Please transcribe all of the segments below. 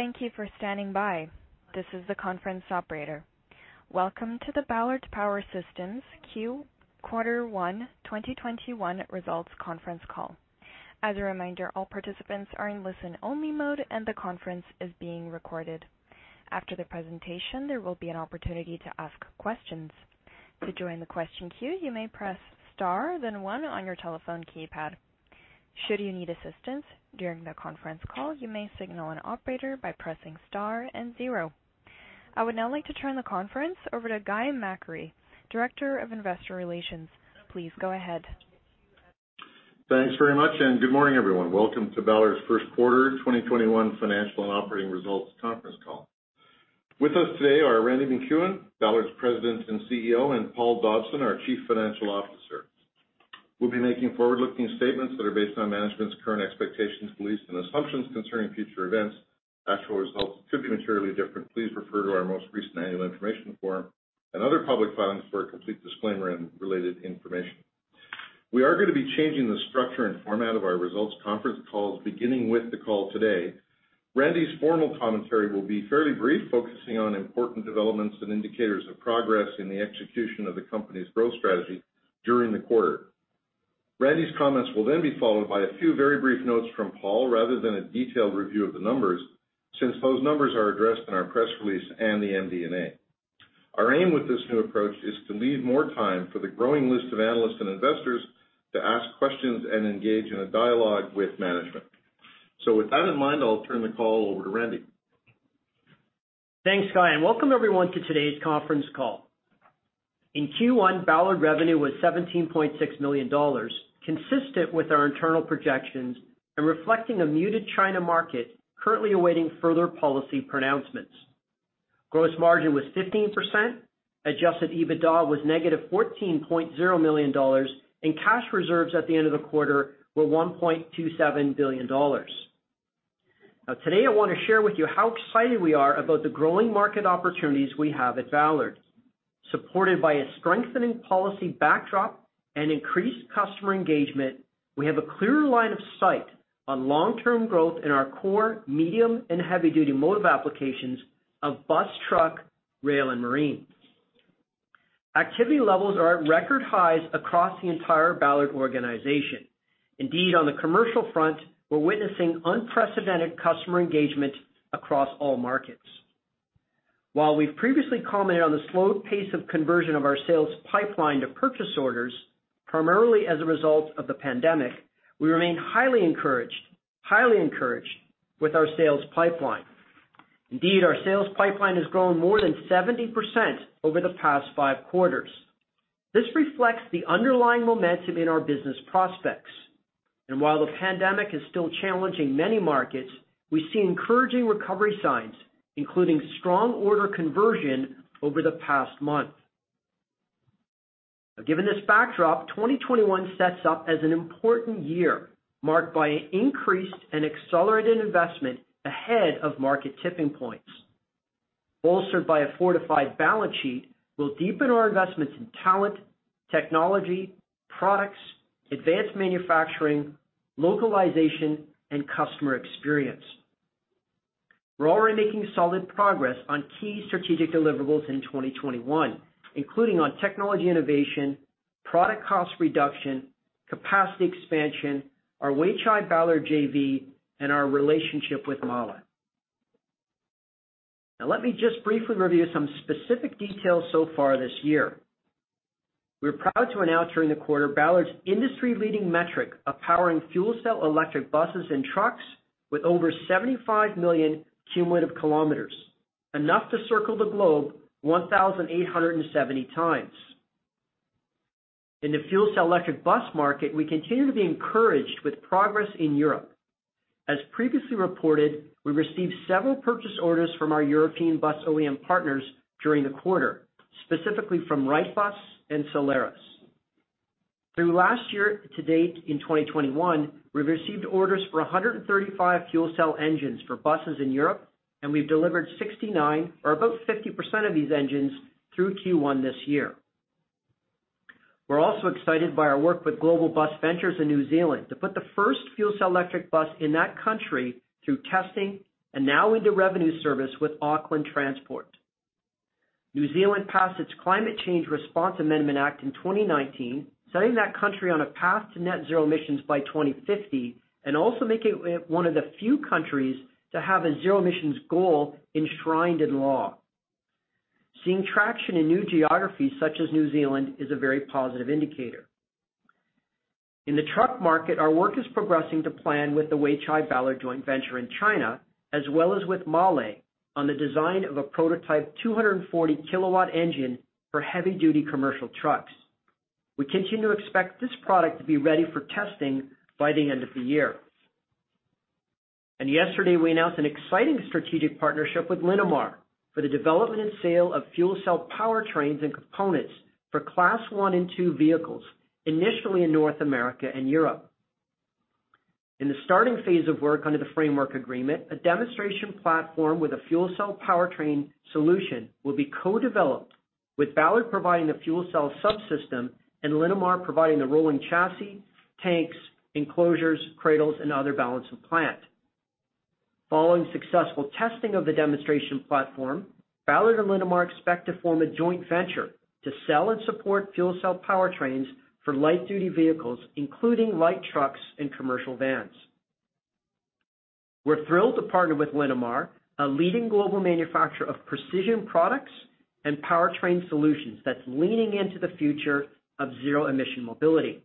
Thank you for standing by. This is the conference operator. Welcome to the Ballard Power Systems Q Quarter One 2021 results conference call. As a reminder, all participants are in listen-only mode, and the conference is being recorded. After the presentation, there will be an opportunity to ask questions. To join the question queue, you may press star then one on your telephone keypad. Should you need assistance during the conference call, you may signal an operator by pressing star and zero. I would now like to turn the conference over to Guy McBride, Director of Investor Relations. Please go ahead. Thanks very much, good morning, everyone. Welcome to Ballard's first quarter 2021 financial and operating results conference call. With us today are Randy MacEwen, Ballard's President and CEO, and Paul Dobson, our Chief Financial Officer. We'll be making forward-looking statements that are based on management's current expectations, beliefs, and assumptions concerning future events. Actual results could be materially different. Please refer to our most recent annual information form and other public filings for a complete disclaimer and related information. We are going to be changing the structure and format of our results conference calls beginning with the call today. Randy's formal commentary will be fairly brief, focusing on important developments and indicators of progress in the execution of the company's growth strategy during the quarter. Randy's comments will then be followed by a few very brief notes from Paul rather than a detailed review of the numbers, since those numbers are addressed in our press release and the MD&A. Our aim with this new approach is to leave more time for the growing list of analysts and investors to ask questions and engage in a dialogue with management. With that in mind, I'll turn the call over to Randy. Thanks, Guy, and welcome everyone to today's conference call. In Q1, Ballard revenue was 17.6 million dollars, consistent with our internal projections and reflecting a muted China market currently awaiting further policy pronouncements. Gross margin was 15%, adjusted EBITDA was -14.0 million dollars, and cash reserves at the end of the quarter were 1.27 billion dollars. Today, I want to share with you how excited we are about the growing market opportunities we have at Ballard. Supported by a strengthening policy backdrop and increased customer engagement, we have a clear line of sight on long-term growth in our core medium and heavy-duty motive applications of bus, truck, rail, and marine. Activity levels are at record highs across the entire Ballard organization. On the commercial front, we're witnessing unprecedented customer engagement across all markets. We've previously commented on the slowed pace of conversion of our sales pipeline to purchase orders, primarily as a result of the pandemic, we remain highly encouraged with our sales pipeline. Our sales pipeline has grown more than 70% over the past five quarters. This reflects the underlying momentum in our business prospects. While the pandemic is still challenging many markets, we see encouraging recovery signs, including strong order conversion over the past month. Given this backdrop, 2021 sets up as an important year, marked by increased and accelerated investment ahead of market tipping points. Bolstered by a fortified balance sheet, we'll deepen our investments in talent, technology, products, advanced manufacturing, localization, and customer experience. We're already making solid progress on key strategic deliverables in 2021, including on technology innovation, product cost reduction, capacity expansion, our Weichai-Ballard JV, and our relationship with Mahle. Let me just briefly review some specific details so far this year. We're proud to announce during the quarter Ballard's industry-leading metric of powering fuel cell electric buses and trucks with over 75 million cumulative kilometers, enough to circle the globe 1,870 times. In the fuel cell electric bus market, we continue to be encouraged with progress in Europe. As previously reported, we received several purchase orders from our European bus OEM partners during the quarter, specifically from Wrightbus and Solaris. Through last year to date in 2021, we've received orders for 135 fuel cell engines for buses in Europe, and we've delivered 69, or about 50% of these engines, through Q1 this year. We're also excited by our work with Global Bus Ventures in New Zealand to put the first fuel cell electric bus in that country through testing and now into revenue service with Auckland Transport. New Zealand passed its Climate Change Response (Zero Carbon) Amendment Act in 2019, setting that country on a path to net zero emissions by 2050, and also making it one of the few countries to have a zero emissions goal enshrined in law. Seeing traction in new geographies such as New Zealand is a very positive indicator. In the truck market, our work is progressing to plan with the Weichai-Ballard joint venture in China, as well as with Mahle on the design of a prototype 240-kW engine for heavy-duty commercial trucks. We continue to expect this product to be ready for testing by the end of the year. Yesterday, we announced an exciting strategic partnership with Linamar for the development and sale of fuel cell powertrains and components for class 1 and 2 vehicles, initially in North America and Europe. In the starting phase of work under the framework agreement, a demonstration platform with a fuel cell powertrain solution will be co-developed, with Ballard providing the fuel cell subsystem and Linamar providing the rolling chassis tanks, enclosures, cradles, and other balance of plant. Following successful testing of the demonstration platform, Ballard and Linamar expect to form a joint venture to sell and support fuel cell powertrains for light duty vehicles, including light trucks and commercial vans. We're thrilled to partner with Linamar, a leading global manufacturer of precision products and powertrain solutions that's leaning into the future of zero emission mobility.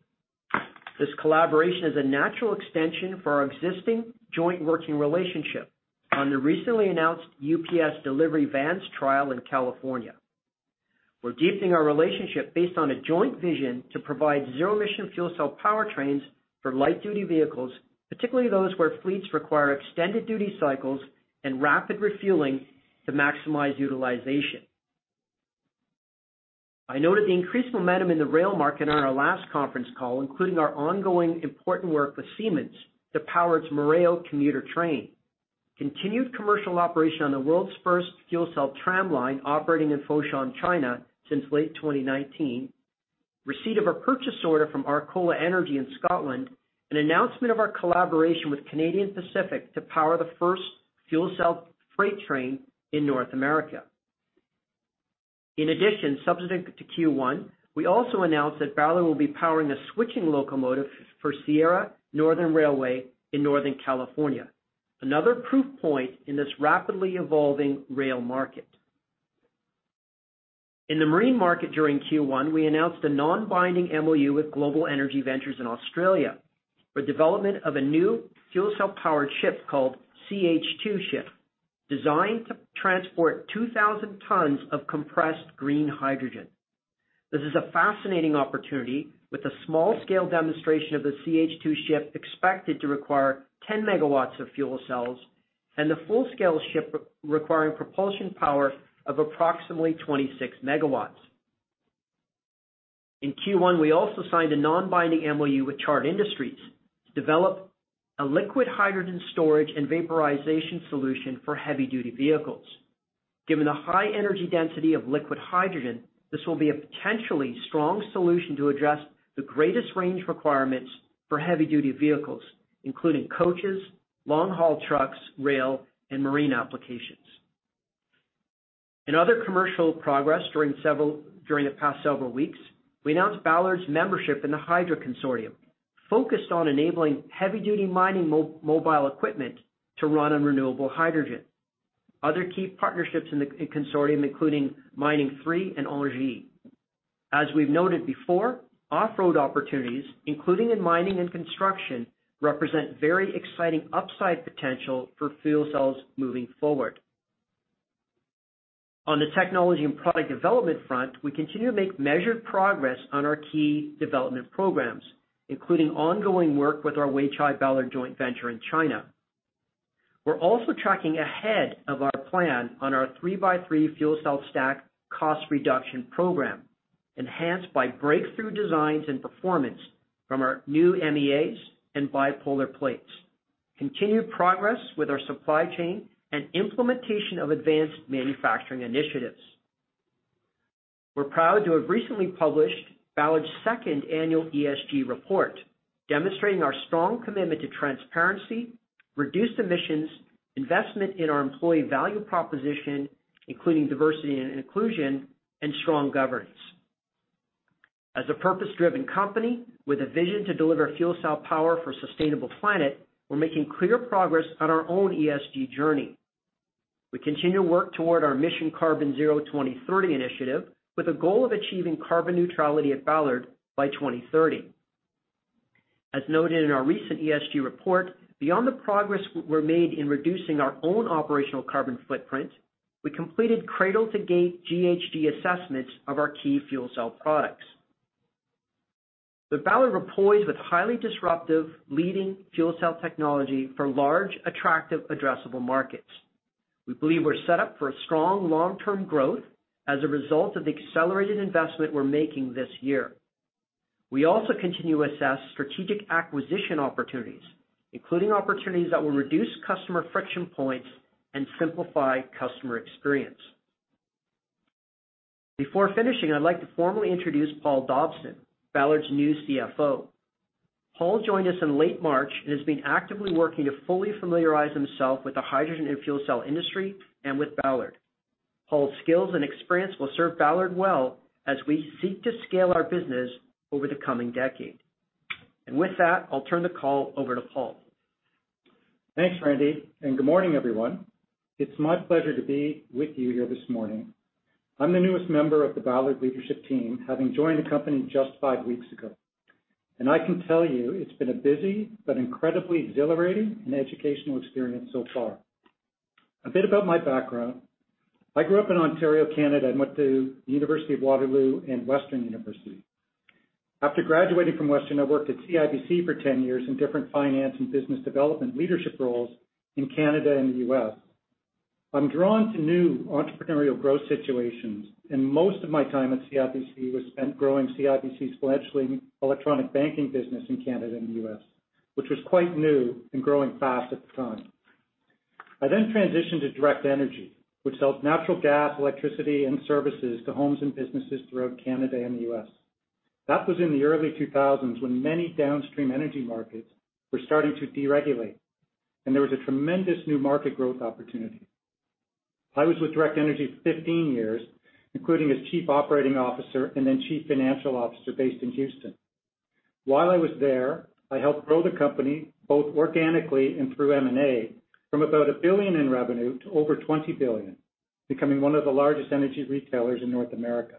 This collaboration is a natural extension for our existing joint working relationship on the recently announced UPS delivery vans trial in California. We're deepening our relationship based on a joint vision to provide zero emission fuel cell powertrains for light duty vehicles, particularly those where fleets require extended duty cycles and rapid refueling to maximize utilization. I noted the increased momentum in the rail market on our last conference call, including our ongoing important work with Siemens to power its Mireo commuter train, continued commercial operation on the world's first fuel cell tramline operating in Foshan, China since late 2019, receipt of a purchase order from Arcola Energy in Scotland, an announcement of our collaboration with Canadian Pacific to power the first fuel cell freight train in North America. In addition, subsequent to Q1, we also announced that Ballard will be powering a switching locomotive for Sierra Northern Railway in Northern California. Another proof point in this rapidly evolving rail market. In the marine market during Q1, we announced a non-binding MOU with Global Energy Ventures in Australia for development of a new fuel cell powered ship called C-H2 Ship, designed to transport 2,000 tons of compressed green hydrogen. This is a fascinating opportunity with a small scale demonstration of the C-H2 Ship expected to require 10 megawatts of fuel cells, and the full scale ship requiring propulsion power of approximately 26 megawatts. In Q1, we also signed a non-binding MOU with Chart Industries to develop a liquid hydrogen storage and vaporization solution for heavy duty vehicles. Given the high energy density of liquid hydrogen, this will be a potentially strong solution to address the greatest range requirements for heavy duty vehicles, including coaches, long haul trucks, rail, and marine applications. In other commercial progress during the past several weeks, we announced Ballard's membership in the Hydra Consortium, focused on enabling heavy duty mining mobile equipment to run on renewable hydrogen. Other key partnerships in the consortium including Mining3 and ENGIE. As we've noted before, off-road opportunities, including in mining and construction, represent very exciting upside potential for fuel cells moving forward. On the technology and product development front, we continue to make measured progress on our key development programs, including ongoing work with our Weichai-Ballard joint venture in China. We're also tracking ahead of our plan on our 3x3 fuel cell stack cost reduction program, enhanced by breakthrough designs and performance from our new MEAs and bipolar plates, continued progress with our supply chain, and implementation of advanced manufacturing initiatives. We're proud to have recently published Ballard's second annual ESG report, demonstrating our strong commitment to transparency, reduced emissions, investment in our employee value proposition, including diversity and inclusion, and strong governance. As a purpose driven company with a vision to deliver fuel cell power for sustainable planet, we're making clear progress on our own ESG journey. We continue to work toward our Mission Carbon Zero 2030 initiative with a goal of achieving carbon neutrality at Ballard by 2030. As noted in our recent ESG report, beyond the progress we made in reducing our own operational carbon footprint, we completed cradle-to-gate GHG assessments of our key fuel cell products. Ballard is poised with highly disruptive leading fuel cell technology for large, attractive addressable markets. We believe we're set up for a strong long-term growth as a result of the accelerated investment we're making this year. We also continue to assess strategic acquisition opportunities, including opportunities that will reduce customer friction points and simplify customer experience. Before finishing, I'd like to formally introduce Paul Dobson, Ballard's new CFO. Paul joined us in late March and has been actively working to fully familiarize himself with the hydrogen and fuel cell industry and with Ballard. Paul's skills and experience will serve Ballard well as we seek to scale our business over the coming decade. With that, I'll turn the call over to Paul. Thanks, Randy, and good morning, everyone. It's my pleasure to be with you here this morning. I'm the newest member of the Ballard leadership team, having joined the company just five weeks ago. I can tell you it's been a busy but incredibly exhilarating and educational experience so far. A bit about my background. I grew up in Ontario, Canada, and went to the University of Waterloo and Western University. After graduating from Western, I worked at CIBC for 10 years in different finance and business development leadership roles in Canada and the U.S. I'm drawn to new entrepreneurial growth situations. Most of my time at CIBC was spent growing CIBC's fledgling electronic banking business in Canada and the U.S., which was quite new and growing fast at the time. I transitioned to Direct Energy, which sells natural gas, electricity, and services to homes and businesses throughout Canada and the U.S. That was in the early 2000s when many downstream energy markets were starting to deregulate. There was a tremendous new market growth opportunity. I was with Direct Energy for 15 years, including as Chief Operating Officer and then Chief Financial Officer based in Houston. While I was there, I helped grow the company both organically and through M&A from about 1 billion in revenue to over 20 billion, becoming one of the largest energy retailers in North America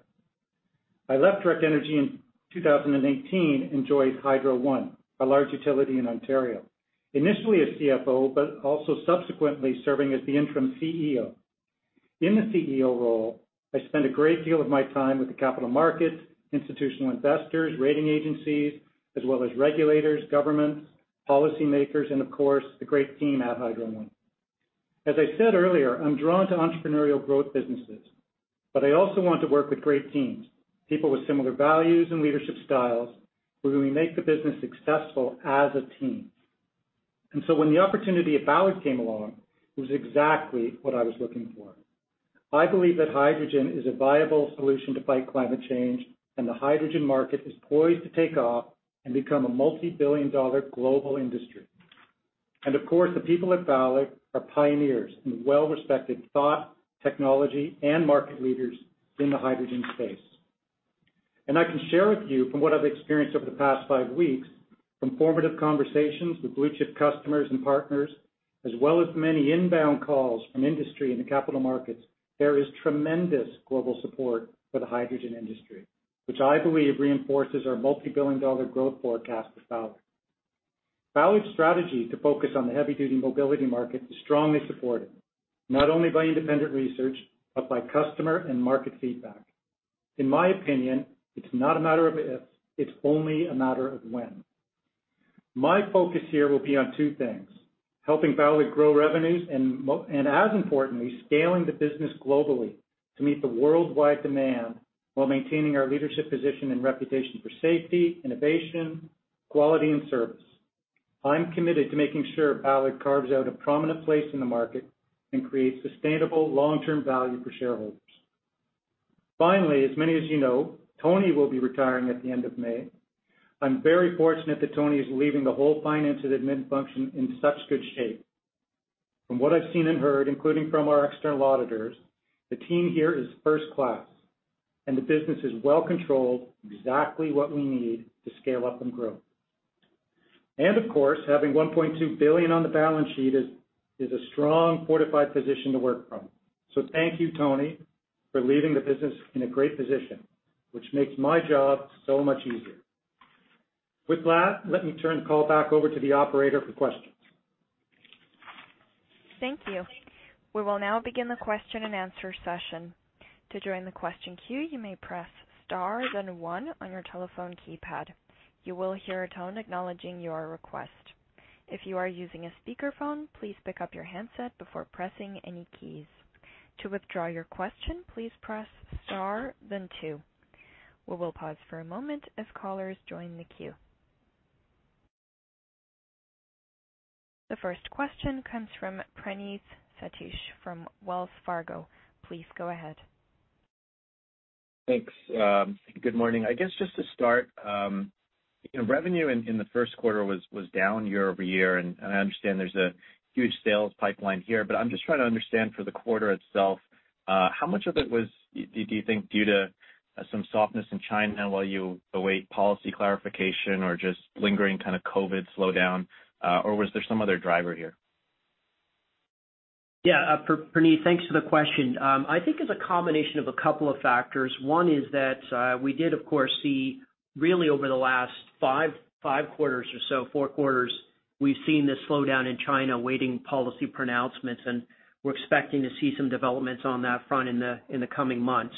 I left Direct Energy in 2018 and joined Hydro One, a large utility in Ontario, initially as CFO, but also subsequently serving as the interim CEO. In the CEO role, I spent a great deal of my time with the capital markets, institutional investors, rating agencies, as well as regulators, governments, policy makers, and of course, the great team at Hydro One. As I said earlier, I'm drawn to entrepreneurial growth businesses, but I also want to work with great teams, people with similar values and leadership styles where we make the business successful as a team. When the opportunity at Ballard came along, it was exactly what I was looking for. I believe that hydrogen is a viable solution to fight climate change, and the hydrogen market is poised to take off and become a multi-billion dollar global industry. Of course, the people at Ballard are pioneers and well-respected thought, technology, and market leaders in the hydrogen space. I can share with you from what I've experienced over the past five weeks, from formative conversations with blue chip customers and partners, as well as many inbound calls from industry and the capital markets, there is tremendous global support for the hydrogen industry, which I believe reinforces our multi-billion CAD growth forecast for Ballard. Ballard's strategy to focus on the heavy-duty mobility market is strongly supported, not only by independent research, but by customer and market feedback. In my opinion, it's not a matter of if, it's only a matter of when. My focus here will be on two things, helping Ballard grow revenues and, as importantly, scaling the business globally to meet the worldwide demand while maintaining our leadership position and reputation for safety, innovation, quality, and service. I'm committed to making sure Ballard carves out a prominent place in the market and creates sustainable long-term value for shareholders. Finally, as many as you know, Tony will be retiring at the end of May. I'm very fortunate that Tony is leaving the whole finance and admin function in such good shape. From what I've seen and heard, including from our external auditors, the team here is first class, and the business is well controlled, exactly what we need to scale up and grow. Of course, having 1.2 billion on the balance sheet is a strong, fortified position to work from. Thank you, Tony, for leaving the business in a great position, which makes my job so much easier. With that, let me turn the call back over to the operator for questions. Thank you. We will now begin the question and answer session. To join the question queue you may press star one on your telephone keypad. You will hear a tone acknowledging your requests. If you're using a speaker phone, please pick up your handset before pressing any keys. To withdraw your question, please press star then two. We will pause for a moment as callers join the queue. The first question comes from Praneeth Satish from Wells Fargo. Please go ahead. Thanks. Good morning. I guess just to start, revenue in the first quarter was down year-over-year, I understand there's a huge sales pipeline here, but I'm just trying to understand for the quarter itself, how much of it was, do you think, due to some softness in China while you await policy clarification or just lingering kind of COVID slowdown? Was there some other driver here? Yeah. Praneeth, thanks for the question. I think it's a combination of a couple of factors. One is that we did, of course, see really over the last five quarters or so, four quarters, we've seen this slowdown in China awaiting policy pronouncements, and we're expecting to see some developments on that front in the coming months.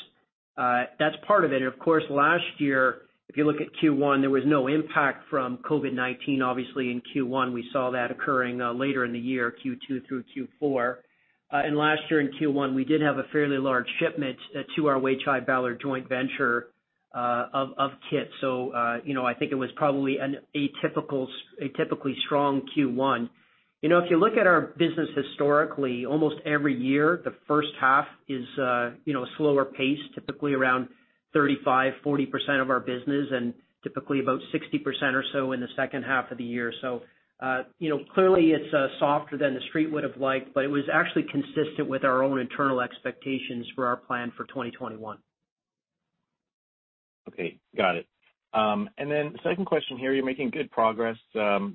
That's part of it. Of course, last year, if you look at Q1, there was no impact from COVID-19. Obviously, in Q1, we saw that occurring later in the year, Q2 through Q4. Last year in Q1, we did have a fairly large shipment to our Weichai-Ballard joint venture of kits. I think it was probably an atypically strong Q1. If you look at our business historically, almost every year, the first half is a slower pace, typically around 35%-40% of our business, and typically about 60% or so in the second half of the year. Clearly it's softer than the Street would have liked, but it was actually consistent with our own internal expectations for our plan for 2021. Okay. Got it. Second question here, you're making good progress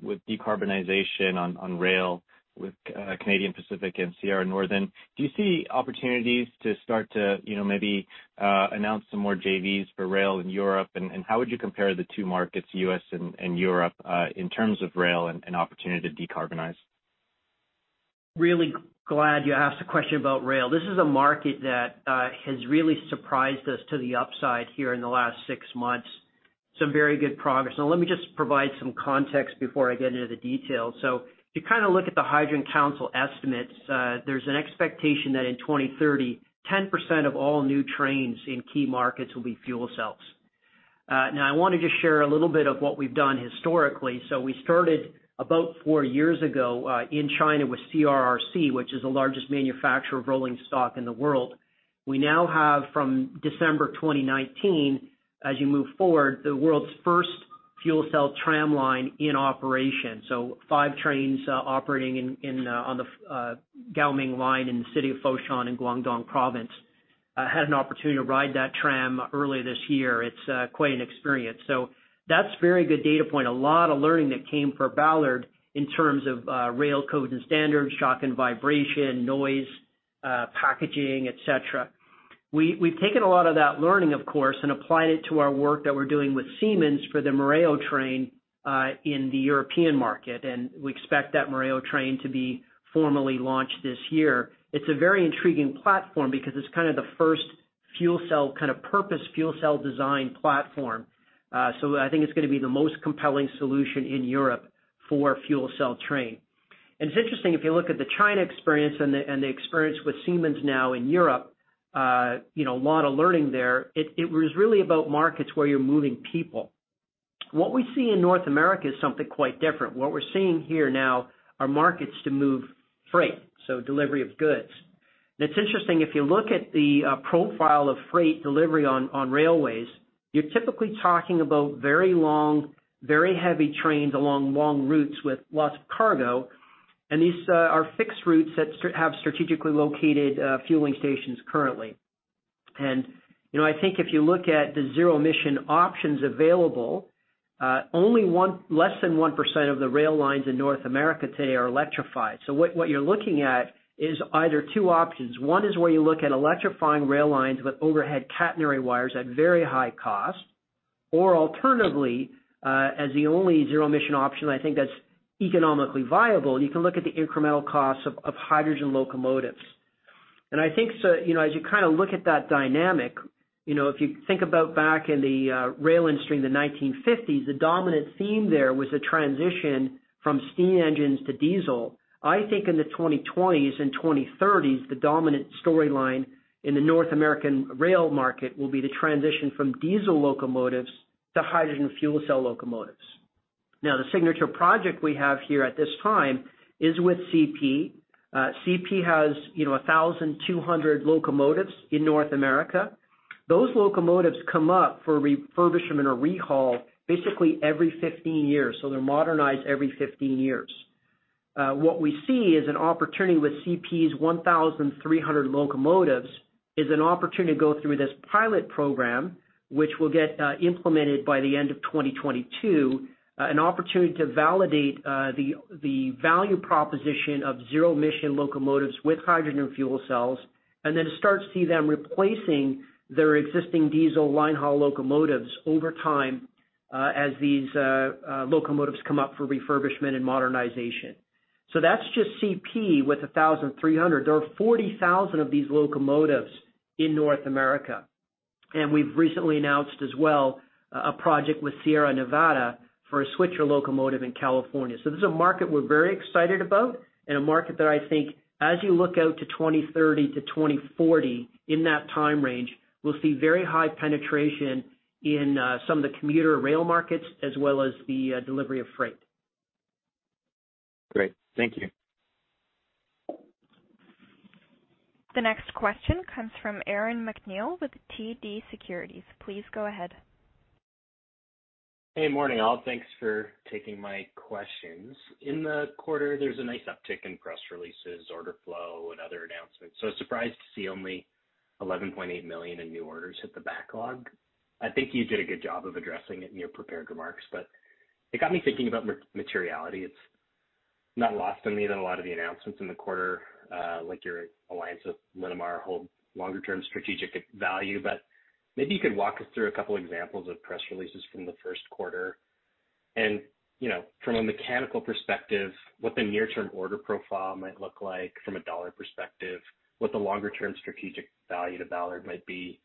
with decarbonization on rail with Canadian Pacific and Sierra Northern. Do you see opportunities to start to maybe announce some more JVs for rail in Europe? How would you compare the two markets, U.S. and Europe, in terms of rail and opportunity to decarbonize? Really glad you asked the question about rail. This is a market that has really surprised us to the upside here in the last six months. Some very good progress. Let me just provide some context before I get into the details. If you look at the Hydrogen Council estimates, there's an expectation that in 2030, 10% of all new trains in key markets will be fuel cells. I want to just share a little bit of what we've done historically. We started about four years ago in China with CRRC, which is the largest manufacturer of rolling stock in the world. We now have, from December 2019, as you move forward, the world's first fuel cell tramline in operation. Five trains operating on the Gaoming line in the city of Foshan in Guangdong Province. I had an opportunity to ride that tram earlier this year. It's quite an experience. That's a very good data point. A lot of learning that came for Ballard in terms of rail codes and standards, shock and vibration, noise, packaging, et cetera. We've taken a lot of that learning, of course, and applied it to our work that we're doing with Siemens for the Mireo train in the European market, and we expect that Mireo train to be formally launched this year. It's a very intriguing platform because it's kind of the first purpose fuel cell design platform. I think it's going to be the most compelling solution in Europe for fuel cell train. It's interesting, if you look at the China experience and the experience with Siemens now in Europe, a lot of learning there. It was really about markets where you're moving people. What we see in North America is something quite different. What we're seeing here now are markets to move freight, so delivery of goods. It's interesting, if you look at the profile of freight delivery on railways, you're typically talking about very long, very heavy trains along long routes with lots of cargo. These are fixed routes that have strategically located fueling stations currently. I think if you look at the zero emission options available, less than 1% of the rail lines in North America today are electrified. What you're looking at is either two options. One is where you look at electrifying rail lines with overhead catenary wires at very high cost, or alternatively, as the only zero emission option, I think that's economically viable, you can look at the incremental costs of hydrogen locomotives. I think as you look at that dynamic, if you think about back in the rail industry in the 1950s, the dominant theme there was the transition from steam engines to diesel. I think in the 2020s and 2030s, the dominant storyline in the North American rail market will be the transition from diesel locomotives to hydrogen fuel cell locomotives. The signature project we have here at this time is with CP. CP has 1,200 locomotives in North America. Those locomotives come up for refurbishment or recall basically every 15 years, so they're modernized every 15 years. What we see with CP's 1,300 locomotives, is an opportunity to go through this pilot program, which will get implemented by the end of 2022, an opportunity to validate the value proposition of zero emission locomotives with hydrogen fuel cells, and then to start to see them replacing their existing diesel line haul locomotives over time as these locomotives come up for refurbishment and modernization. That's just CP with 1,300. There are 40,000 of these locomotives in North America. We've recently announced as well a project with Sierra Northern Railway for a switcher locomotive in California. This is a market we are very excited about and a market that I think as you look out to 2030 to 2040, in that time range, we will see very high penetration in some of the commuter rail markets as well as the delivery of freight. Great. Thank you. The next question comes from Aaron MacNeil with TD Cowen. Please go ahead. Hey, morning all. Thanks for taking my questions. In the quarter, there's a nice uptick in press releases, order flow, and other announcements. I was surprised to see only 11.8 million in new orders hit the backlog. I think you did a good job of addressing it in your prepared remarks, it got me thinking about materiality. It's not lost on me that a lot of the announcements in the quarter, like your alliance with Linamar, hold longer term strategic value, maybe you could walk us through a couple examples of press releases from the first quarter and, from a mechanical perspective, what the near term order profile might look like from a CAD perspective, what the longer term strategic value to Ballard might be.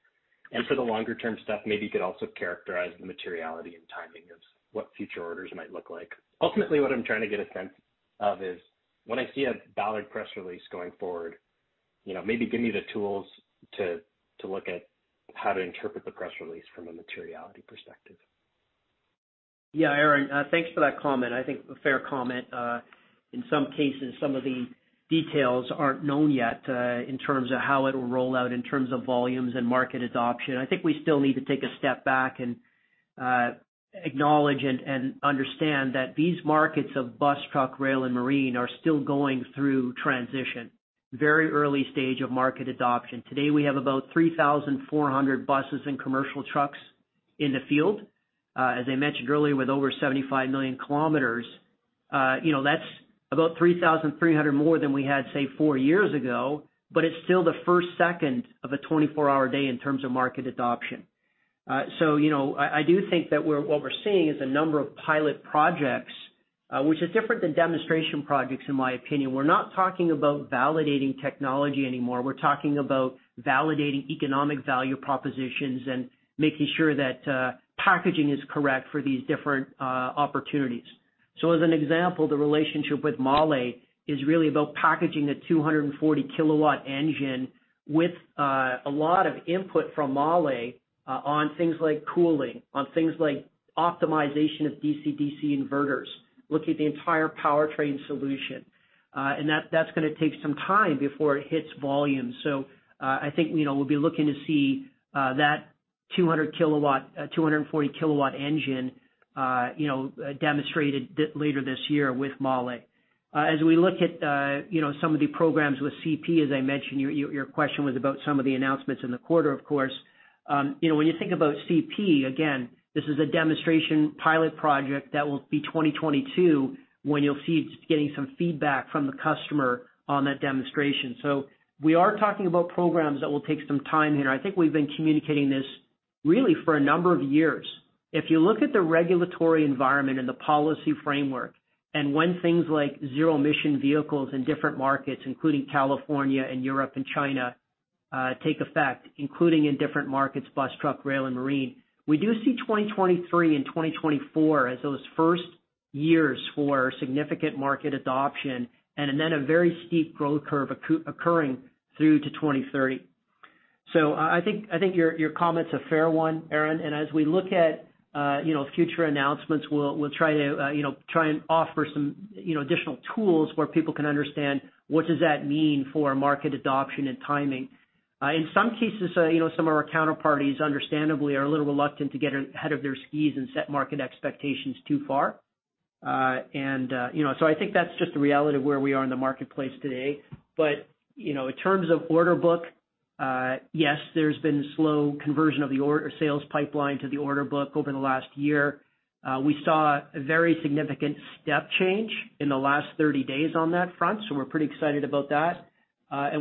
For the longer term stuff, maybe you could also characterize the materiality and timing of what future orders might look like. Ultimately, what I'm trying to get a sense of is, when I see a Ballard press release going forward, maybe give me the tools to look at how to interpret the press release from a materiality perspective. Yeah, Aaron, thanks for that comment. I think a fair comment. In some cases, some of the details aren't known yet, in terms of how it will roll out in terms of volumes and market adoption. I think we still need to take a step back and acknowledge and understand that these markets of bus, truck, rail, and marine are still going through transition. Very early stage of market adoption. Today, we have about 3,400 buses and commercial trucks in the field. As I mentioned earlier, with over 75 million kilometers, that is about 3,300 more than we had, say, four years ago, but it is still the first second of a 24-hour day in terms of market adoption. I do think that what we are seeing is a number of pilot projects, which is different than demonstration projects in my opinion. We are not talking about validating technology anymore. We're talking about validating economic value propositions and making sure that packaging is correct for these different opportunities. As an example, the relationship with Mahle is really about packaging a 240-kW engine with a lot of input from Mahle on things like cooling, on things like optimization of DC-DC converters, looking at the entire powertrain solution. That's going to take some time before it hits volume. I think we'll be looking to see that 240-kW engine demonstrated later this year with Mahle. As we look at some of the programs with CP, as I mentioned, your question was about some of the announcements in the quarter, of course. When you think about CP, again, this is a demonstration pilot project that will be 2022 when you'll see us getting some feedback from the customer on that demonstration. We are talking about programs that will take some time here, and I think we've been communicating this really for a number of years. If you look at the regulatory environment and the policy framework, and when things like zero-emission vehicles in different markets, including California and Europe and China, take effect, including in different markets, bus, truck, rail, and marine, we do see 2023 and 2024 as those first years for significant market adoption and then a very steep growth curve occurring through to 2030. I think your comment's a fair one, Aaron, and as we look at future announcements, we'll try and offer some additional tools where people can understand what does that mean for market adoption and timing. In some cases, some of our counterparties understandably are a little reluctant to get ahead of their skis and set market expectations too far. I think that's just the reality of where we are in the marketplace today. In terms of order book, yes, there's been slow conversion of the sales pipeline to the order book over the last year. We saw a very significant step change in the last 30 days on that front, we're pretty excited about that.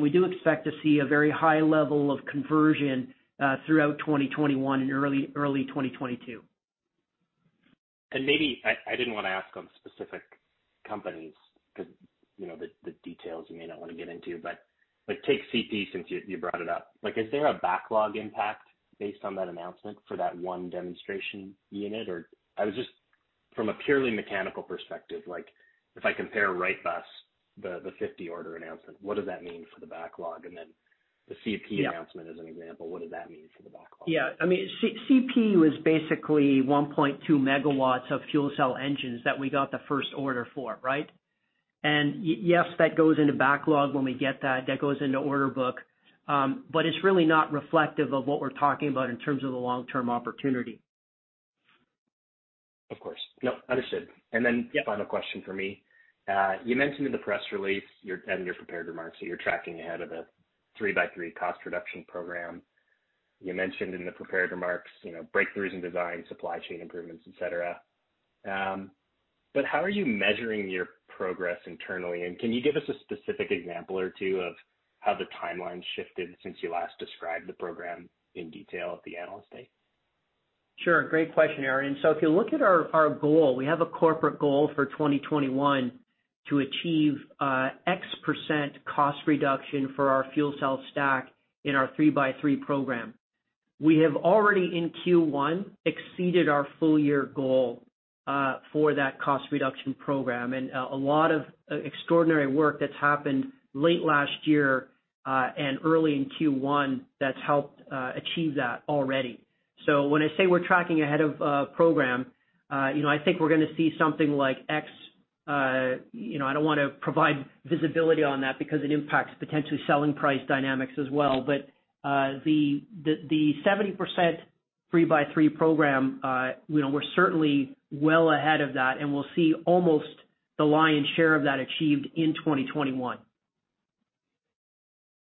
We do expect to see a very high level of conversion throughout 2021 and early 2022. Maybe, I didn't want to ask on specific companies, because the details you may not want to get into, but take CP since you brought it up. Is there a backlog impact based on that announcement for that one demonstration unit? I was just, from a purely mechanical perspective, if I compare Wrightbus, the 50 order announcement, what does that mean for the backlog? Then what about the CP announcement? Yeah As an example, what does that mean for the backlog? Yeah. CP was basically 1.2 MW of fuel cell engines that we got the first order for, right? Yes, that goes into backlog when we get that. That goes into order book. It's really not reflective of what we're talking about in terms of the long-term opportunity. Of course. No, understood. Yep Final question from me. You mentioned in the press release and your prepared remarks that you're tracking ahead of a 3x3 cost reduction program. You mentioned in the prepared remarks, breakthroughs in design, supply chain improvements, et cetera. How are you measuring your progress internally? Can you give us a specific example or two of how the timeline's shifted since you last described the program in detail at the analyst day? Sure. Great question, Aaron. If you look at our goal, we have a corporate goal for 2021 to achieve X% cost reduction for our fuel cell stack in our 3x3 program. We have already, in Q1, exceeded our full-year goal for that cost reduction program. A lot of extraordinary work that's happened late last year, and early in Q1 that's helped achieve that already. When I say we're tracking ahead of program, I think we're going to see something like X. I don't want to provide visibility on that because it impacts potentially selling price dynamics as well, but the 70% 3x3 program, we're certainly well ahead of that, and we'll see almost the lion's share of that achieved in 2021.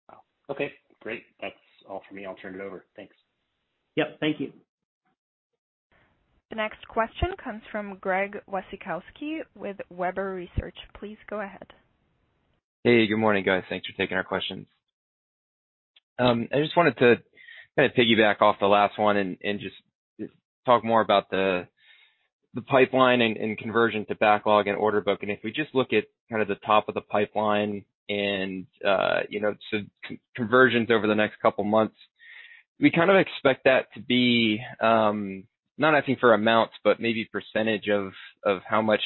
Wow. Okay, great. That's all for me. I'll turn it over. Thanks. Yep, thank you. The next question comes from Greg Wasikowski with Webber Research. Please go ahead. Hey, good morning, guys. Thanks for taking our questions. I just wanted to kind of piggyback off the last one and just talk more about the pipeline and conversion to backlog and order book. If we just look at kind of the top of the pipeline and conversions over the next couple of months, we kind of expect that to be, not asking for amounts, but maybe % of how much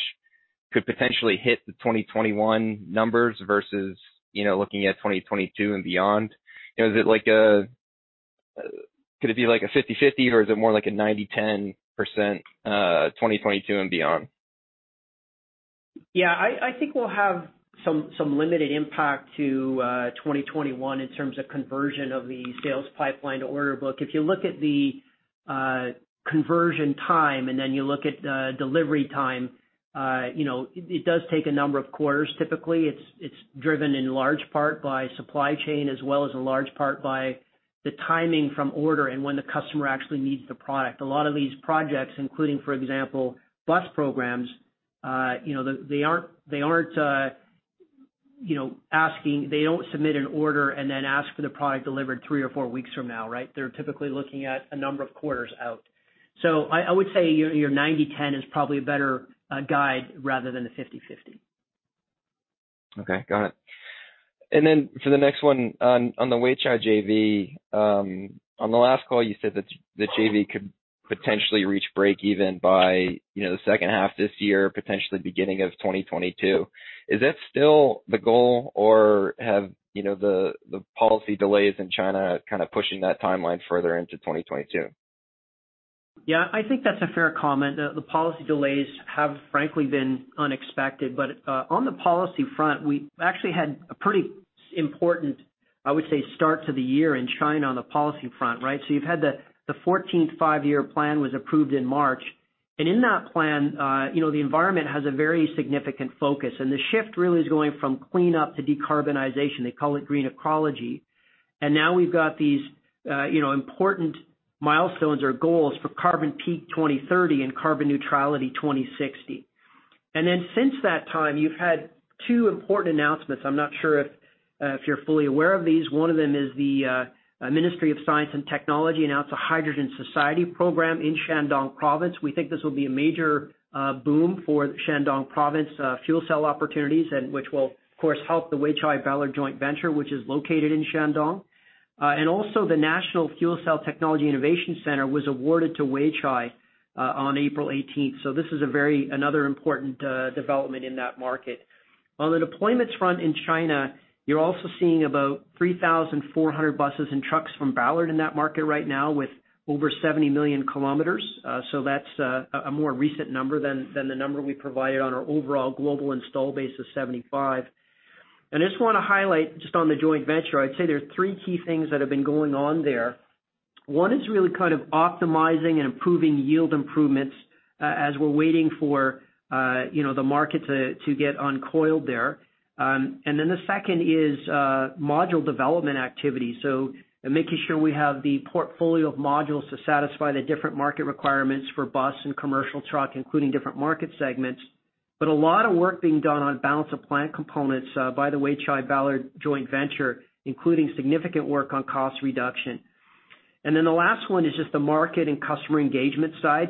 could potentially hit the 2021 numbers versus looking at 2022 and beyond. Could it be like a 50%/50%, or is it more like a 90%/10% 2022 and beyond? Yeah, I think we'll have some limited impact to 2021 in terms of conversion of the sales pipeline to order book. If you look at the conversion time and then you look at delivery time, it does take a number of quarters, typically. It's driven in large part by supply chain as well as in large part by the timing from order and when the customer actually needs the product. A lot of these projects, including, for example, bus programs, they don't submit an order and then ask for the product delivered three or four weeks from now, right? They're typically looking at a number of quarters out. I would say your 90%/10% is probably a better guide rather than the 50%/50%. Okay, got it. For the next one, on the Weichai JV, on the last call you said that JV could potentially reach break even by the second half this year, potentially beginning of 2022. Is that still the goal or have the policy delays in China pushing that timeline further into 2022? Yeah, I think that's a fair comment. The policy delays have frankly been unexpected, on the policy front, we actually had a pretty important, I would say, start to the year in China on the policy front, right? You've had the 14th Five-Year Plan was approved in March, and in that plan, the environment has a very significant focus, and the shift really is going from clean up to decarbonization. They call it green ecology. Now we've got these important milestones or goals for carbon peak 2030 and carbon neutrality 2060. Then since that time, you've had two important announcements. I'm not sure if you're fully aware of these. One of them is the Ministry of Science and Technology announced a hydrogen society program in Shandong province. We think this will be a major boom for Shandong province fuel cell opportunities and which will, of course, help the Weichai-Ballard joint venture, which is located in Shandong. Also, the National Fuel Cell Technology Innovation Center was awarded to Weichai on April 18th. This is another important development in that market. On the deployments front in China, you're also seeing about 3,400 buses and trucks from Ballard in that market right now with over 70 million kilometers. That's a more recent number than the number we provided on our overall global install base of 75. I just want to highlight, just on the joint venture, I'd say there are three key things that have been going on there. One is really kind of optimizing and improving yield improvements, as we're waiting for the market to get uncoiled there. The second is module development activity, making sure we have the portfolio of modules to satisfy the different market requirements for bus and commercial truck, including different market segments. A lot of work being done on balance of plant components by the Weichai-Ballard joint venture, including significant work on cost reduction. The last one is just the market and customer engagement side.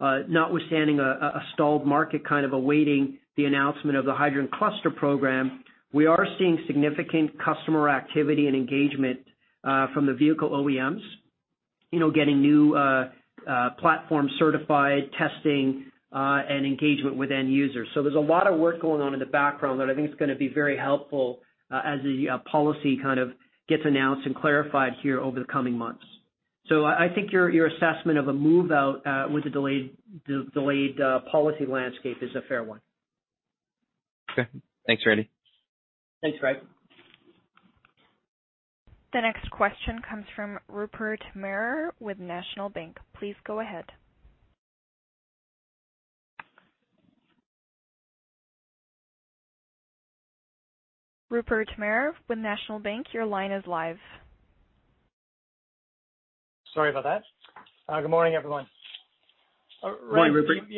Notwithstanding a stalled market kind of awaiting the announcement of the Hydrogen Cluster Program, we are seeing significant customer activity and engagement from the vehicle OEMs, getting new platforms certified, testing, and engagement with end users. There's a lot of work going on in the background that I think is going to be very helpful as the policy kind of gets announced and clarified here over the coming months. I think your assessment of a move out with the delayed policy landscape is a fair one. Okay. Thanks, Randy. Thanks, Greg. The next question comes from Rupert Merer with National Bank. Please go ahead. Rupert Merer with National Bank, your line is live. Sorry about that. Good morning, everyone. Morning, Rupert. Randy,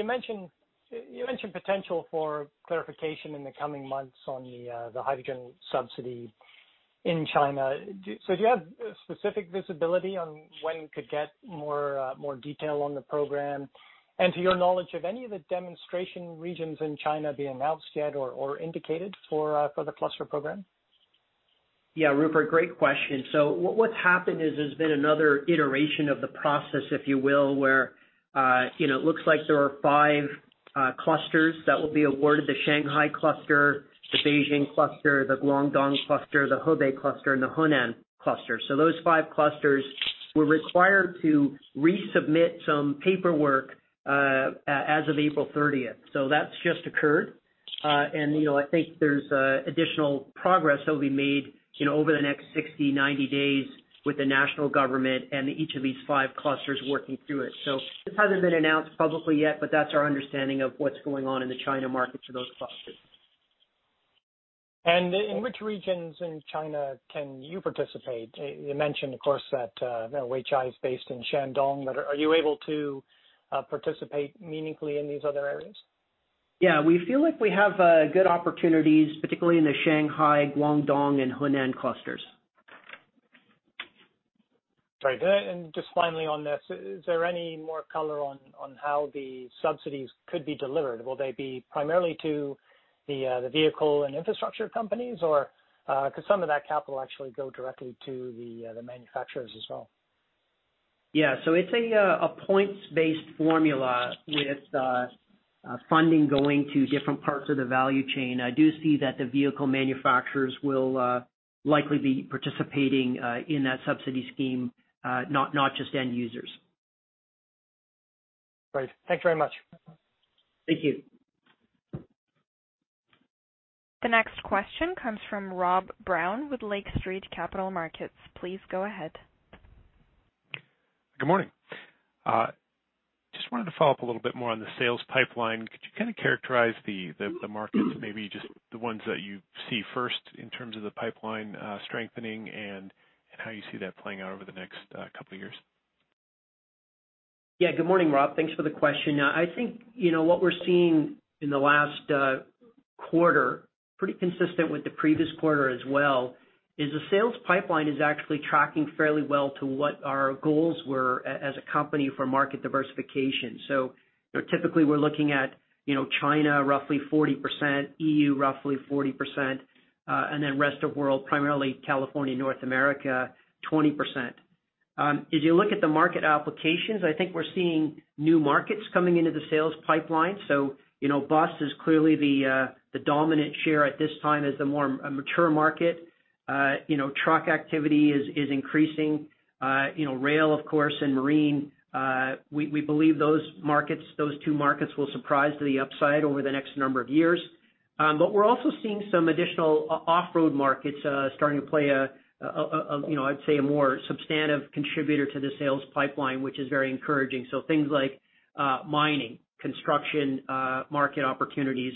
you mentioned potential for clarification in the coming months on the hydrogen subsidy in China. Do you have specific visibility on when you could get more detail on the program? To your knowledge, have any of the demonstration regions in China been announced yet or indicated for the cluster program? Yeah, Rupert, great question. What's happened is there's been another iteration of the process, if you will, where it looks like there are five clusters that will be awarded. The Shanghai cluster, the Beijing cluster, the Guangdong cluster, the Hebei cluster, and the Henan cluster. Those five clusters were required to resubmit some paperwork as of April 30th. That's just occurred. I think there's additional progress that will be made over the next 60, 90 days with the national government and each of these five clusters working through it. This hasn't been announced publicly yet, but that's our understanding of what's going on in the China market for those clusters. In which regions in China can you participate? You mentioned, of course, that Weichai is based in Shandong, are you able to participate meaningfully in these other areas? Yeah, we feel like we have good opportunities, particularly in the Shanghai, Guangdong, and Henan clusters. Great. Just finally on this, is there any more color on how the subsidies could be delivered? Will they be primarily to the vehicle and infrastructure companies, or could some of that capital actually go directly to the manufacturers as well? Yeah. It's a points-based formula with funding going to different parts of the value chain. I do see that the vehicle manufacturers will likely be participating in that subsidy scheme, not just end users. Great. Thanks very much. Thank you. The next question comes from Rob Brown with Lake Street Capital Markets. Please go ahead. Good morning. Just wanted to follow up a little bit more on the sales pipeline. Could you kind of characterize the markets, maybe just the ones that you see first in terms of the pipeline strengthening and how you see that playing out over the next couple of years? Good morning, Rob. Thanks for the question. I think, what we're seeing in the last quarter, pretty consistent with the previous quarter as well, is the sales pipeline is actually tracking fairly well to what our goals were as a company for market diversification. Typically we're looking at China, roughly 40%, EU roughly 40%, and then rest of world, primarily California, North America, 20%. If you look at the market applications, I think we're seeing new markets coming into the sales pipeline. Bus is clearly the dominant share at this time as the more mature market. Truck activity is increasing. Rail, of course, and marine, we believe those two markets will surprise to the upside over the next number of years. We're also seeing some additional off-road markets starting to play a, I'd say, a more substantive contributor to the sales pipeline, which is very encouraging. Things like mining, construction market opportunities,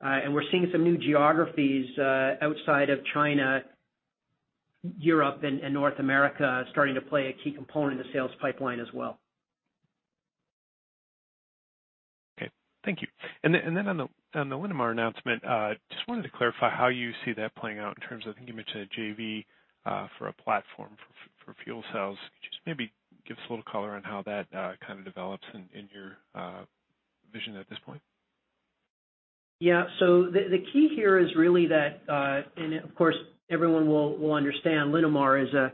and we're seeing some new geographies outside of China, Europe, and North America starting to play a key component in the sales pipeline as well. Okay. Thank you. Then on the Linamar announcement, just wanted to clarify how you see that playing out in terms of, I think you mentioned a JV for a platform for fuel cells. Could you just maybe give us a little color on how that kind of develops in your vision at this point? The key here is really that, and of course, everyone will understand, Linamar is a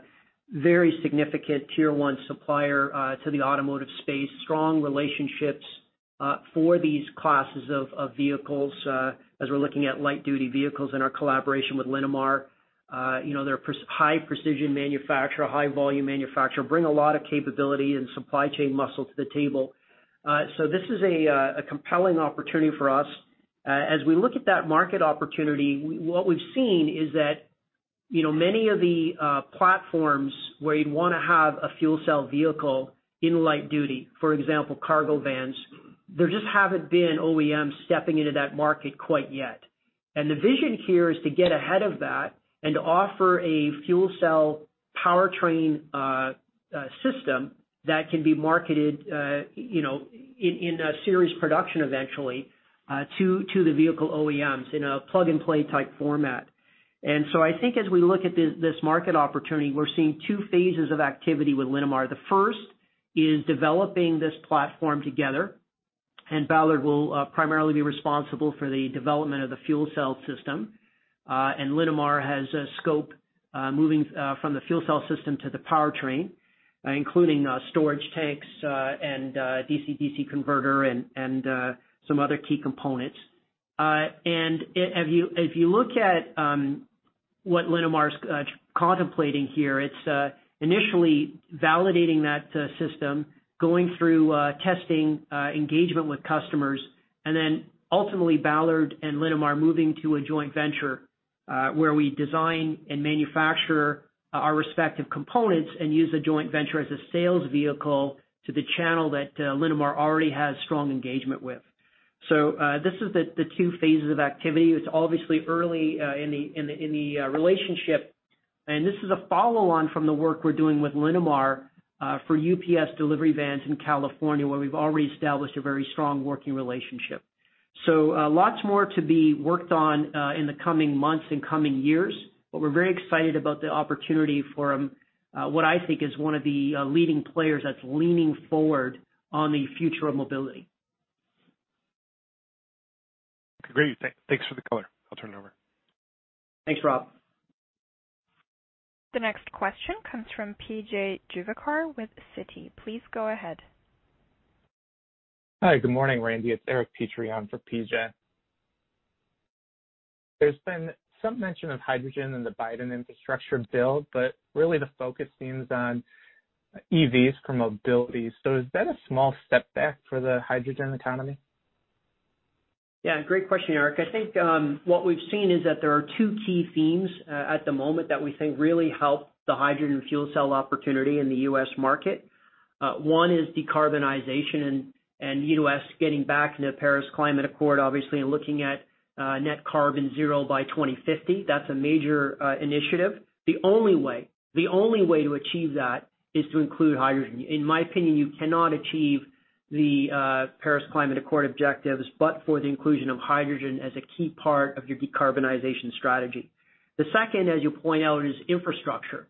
very significant tier 1 supplier to the automotive space, strong relationships for these classes of vehicles, as we're looking at light duty vehicles in our collaboration with Linamar. They're a high precision manufacturer, high volume manufacturer, bring a lot of capability and supply chain muscle to the table. This is a compelling opportunity for us. As we look at that market opportunity, what we've seen is that, many of the platforms where you'd want to have a fuel cell vehicle in light duty, for example, cargo vans, there just haven't been OEMs stepping into that market quite yet. The vision here is to get ahead of that and to offer a fuel cell powertrain system that can be marketed in a series production eventually, to the vehicle OEMs in a plug-and-play type format. I think as we look at this market opportunity, we're seeing two phases of activity with Linamar. The first is developing this platform together, and Ballard will primarily be responsible for the development of the fuel cell system. Linamar has a scope moving from the fuel cell system to the powertrain, including storage tanks, and DC/DC converter, and some other key components. If you look at what Linamar's contemplating here, it's initially validating that system, going through testing, engagement with customers, and then ultimately Ballard and Linamar moving to a joint venture, where we design and manufacture our respective components and use the joint venture as a sales vehicle to the channel that Linamar already has strong engagement with. This is the two phases of activity. It's obviously early in the relationship, and this is a follow-on from the work we're doing with Linamar for UPS delivery vans in California, where we've already established a very strong working relationship. Lots more to be worked on in the coming months and coming years. We're very excited about the opportunity for what I think is one of the leading players that's leaning forward on the future of mobility. Great. Thanks for the color. I will turn it over. Thanks, Rob. The next question comes from P.J. Juvekar with Citi. Please go ahead. Hi. Good morning, Randy. It's Eric Petrie for P.J. Juvekar. There's been some mention of hydrogen in the Biden infrastructure bill, but really the focus seems on EVs for mobility. Is that a small step back for the hydrogen economy? Yeah. Great question, Eric. I think what we've seen is that there are two key themes at the moment that we think really help the hydrogen fuel cell opportunity in the U.S. market. One is decarbonization and U.S. getting back into the Paris Agreement, obviously, and looking at net carbon zero by 2050. That's a major initiative. The only way to achieve that is to include hydrogen. In my opinion, you cannot achieve the Paris Agreement objectives, but for the inclusion of hydrogen as a key part of your decarbonization strategy. The second, as you point out, is infrastructure.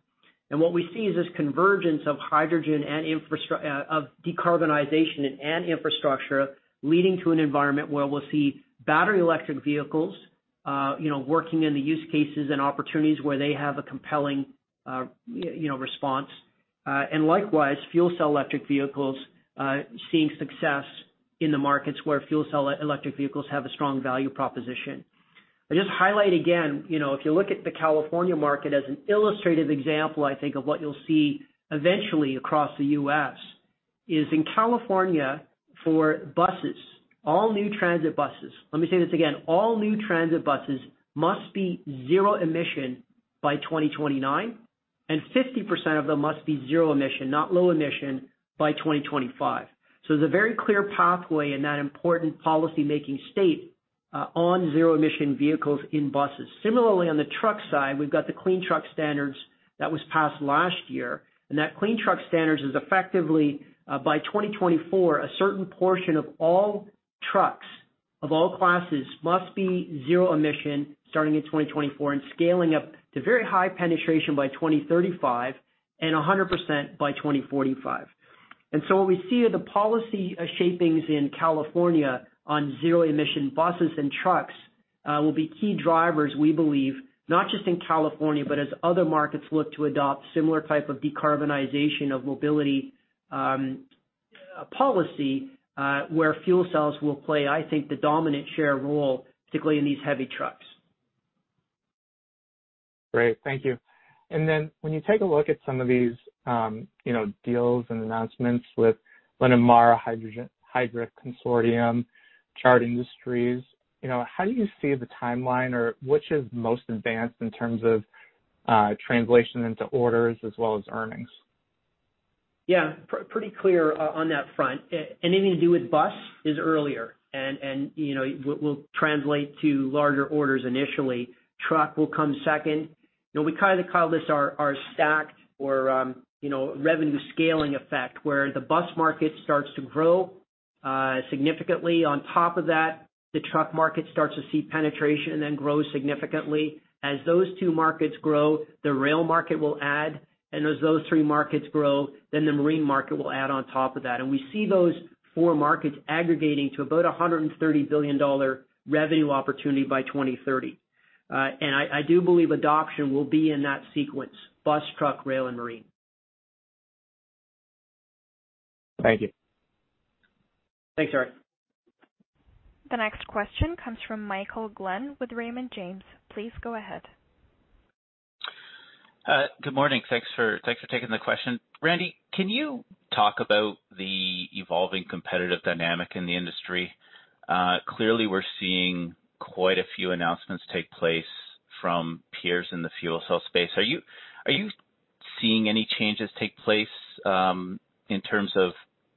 What we see is this convergence of decarbonization and infrastructure leading to an environment where we'll see battery electric vehicles working in the use cases and opportunities where they have a compelling response. Likewise, fuel cell electric vehicles seeing success in the markets where fuel cell electric vehicles have a strong value proposition. I just highlight again, if you look at the California market as an illustrative example, I think of what you'll see eventually across the U.S., is in California for buses, all new transit buses, let me say this again, all new transit buses must be zero emission by 2029, and 50% of them must be zero emission, not low emission, by 2025. There's a very clear pathway in that important policy making state on zero-emission vehicles in buses. Similarly, on the truck side, we've got the Clean Truck Standards that was passed last year, and that Clean Truck Standard is effectively by 2024, a certain portion of all trucks of all classes must be zero emission starting in 2024 and scaling up to very high penetration by 2035 and 100% by 2045. What we see are the policy shapings in California on zero-emission buses and trucks will be key drivers, we believe, not just in California, but as other markets look to adopt similar type of decarbonization of mobility policy, where fuel cells will play, I think, the dominant share role, particularly in these heavy trucks. Great. Thank you. When you take a look at some of these deals and announcements with Linamar, Hydra Consortium, Chart Industries, how do you see the timeline or which is most advanced in terms of translation into orders as well as earnings? Yeah, pretty clear on that front. Anything to do with bus is earlier, will translate to larger orders initially. Truck will come second. We call this our stacked or revenue scaling effect, where the bus market starts to grow significantly. On top of that, the truck market starts to see penetration and then grows significantly. As those two markets grow, the rail market will add, as those three markets grow, the marine market will add on top of that. We see those four markets aggregating to about 130 billion dollar revenue opportunity by 2030. I do believe adoption will be in that sequence, bus, truck, rail, and marine. Thank you. Thanks, Eric. The next question comes from Michael Glen with Raymond James. Please go ahead. Good morning. Thanks for taking the question. Randy, can you talk about the evolving competitive dynamic in the industry? Clearly, we're seeing quite a few announcements take place from peers in the fuel cell space. Are you seeing any changes take place in terms of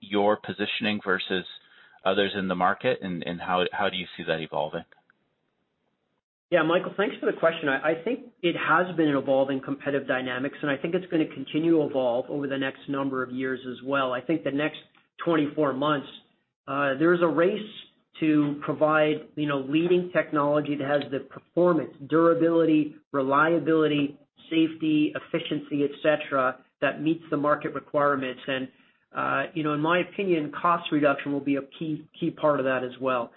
your positioning versus others in the market, and how do you see that evolving? Michael, thanks for the question. I think it has been an evolving competitive dynamics, and I think it's going to continue to evolve over the next number of years as well. I think the next 24 months, there is a race to provide leading technology that has the performance, durability, reliability, safety, efficiency, et cetera, that meets the market requirements. In my opinion, cost reduction will be a key part of that as well.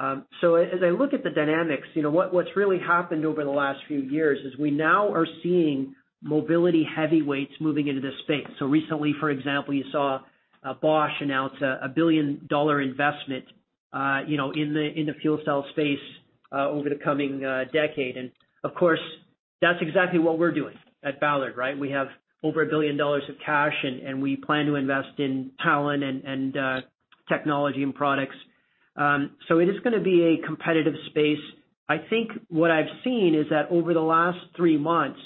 As I look at the dynamics, what's really happened over the last few years is we now are seeing mobility heavyweights moving into the space. Recently, for example, you saw Bosch announce a billion-dollar investment in the fuel cell space over the coming decade. Of course, that's exactly what we're doing at Ballard, right? We have over 1 billion dollars of cash. We plan to invest in talent and technology and products. It is going to be a competitive space. I think what I've seen is that over the last three months,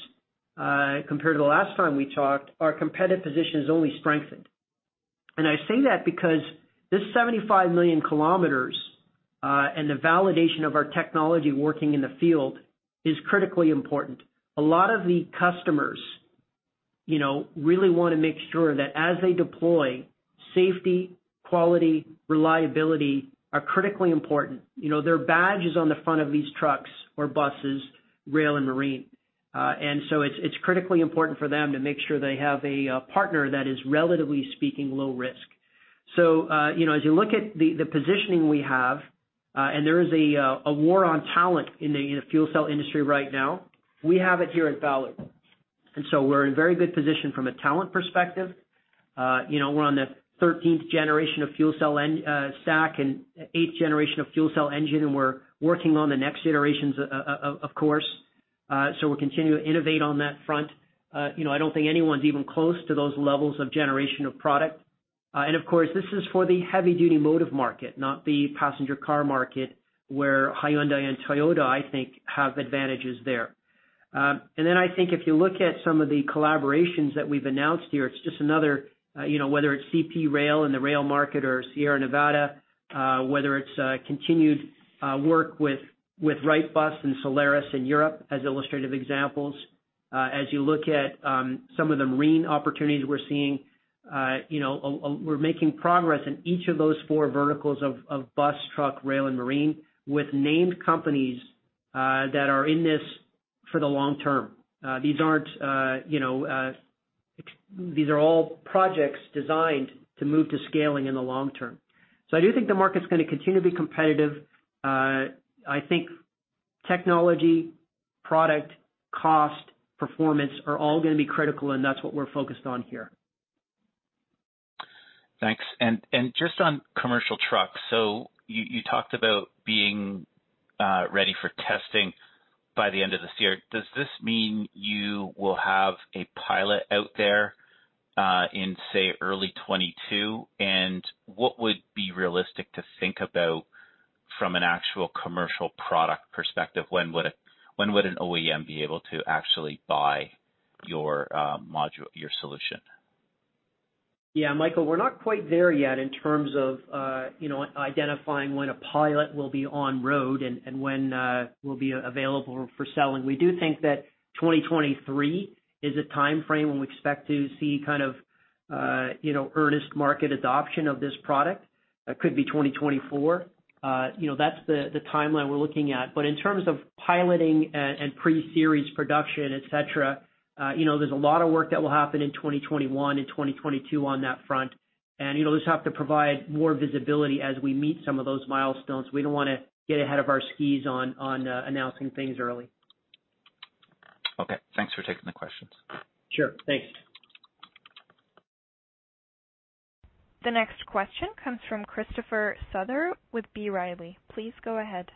compared to the last time we talked, our competitive position has only strengthened. I say that because this 75 million km, and the validation of our technology working in the field is critically important. A lot of the customers really want to make sure that as they deploy, safety, quality, reliability are critically important. Their badge is on the front of these trucks or buses, rail, and marine. It's critically important for them to make sure they have a partner that is, relatively speaking, low risk. As you look at the positioning we have, and there is a war on talent in the fuel cell industry right now, we have it here at Ballard. We're in very good position from a talent perspective. We're on the 13th generation of fuel cell stack and eighth generation of fuel cell engine, and we're working on the next generations, of course. We're continuing to innovate on that front. I don't think anyone's even close to those levels of generation of product. Of course, this is for the heavy-duty motive market, not the passenger car market, where Hyundai and Toyota, I think, have advantages there. I think if you look at some of the collaborations that we've announced here, it's just another, whether it's CP Rail in the rail market or Sierra Northern Railway, whether it's continued work with Wrightbus and Solaris in Europe as illustrative examples. As you look at some of the marine opportunities we're seeing, we're making progress in each of those four verticals of bus, truck, rail, and marine with named companies that are in this for the long term. These are all projects designed to move to scaling in the long term. I do think the market's going to continue to be competitive. I think technology, product, cost, performance are all going to be critical, and that's what we're focused on here. Thanks. Just on commercial trucks, you talked about being ready for testing by the end of this year. Does this mean you will have a pilot out there in, say, early 2022? What would be realistic to think about from an actual commercial product perspective? When would an OEM be able to actually buy your solution? Yeah, Michael, we're not quite there yet in terms of identifying when a pilot will be on road and when will be available for selling. We do think that 2023 is a timeframe when we expect to see earnest market adoption of this product. Could be 2024. That's the timeline we're looking at. In terms of piloting and pre-series production, et cetera, there's a lot of work that will happen in 2021 and 2022 on that front. This will have to provide more visibility as we meet some of those milestones. We don't want to get ahead of our skis on announcing things early. Okay. Thanks for taking the questions. Sure. Thanks. The next question comes from Christopher Souther with B. Riley. Please go ahead.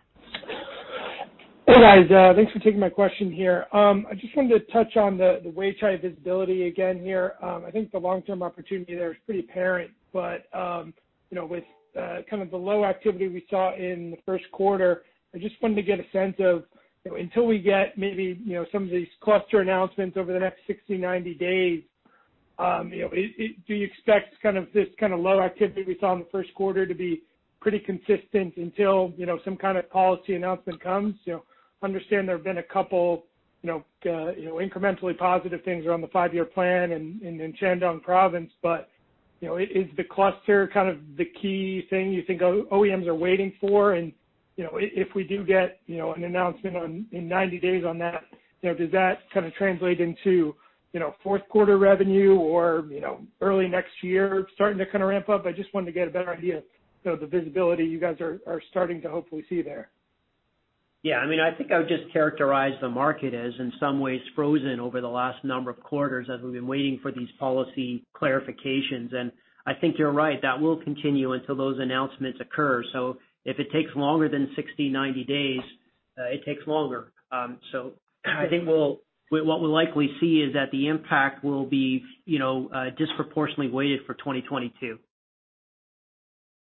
Hey, guys. Thanks for taking my question here. I just wanted to touch on the Weichai visibility again here. I think the long-term opportunity there is pretty apparent, but with the low activity we saw in the first quarter, I just wanted to get a sense of, until we get maybe some of these cluster announcements over the next 60, 90 days, do you expect this kind of low activity we saw in the first quarter to be pretty consistent until some kind of policy announcement comes? Understand there have been a couple incrementally positive things around the Five-Year Plan and in Shandong Province, but is the cluster kind of the key thing you think OEMs are waiting for? If we do get an announcement in 90 days on that, does that kind of translate into fourth quarter revenue or early next year starting to kind of ramp up? I just wanted to get a better idea of the visibility you guys are starting to hopefully see there. Yeah, I think I would just characterize the market as, in some ways, frozen over the last number of quarters as we've been waiting for these policy clarifications. I think you're right, that will continue until those announcements occur. If it takes longer than 60, 90 days, it takes longer. I think what we'll likely see is that the impact will be disproportionately weighted for 2022.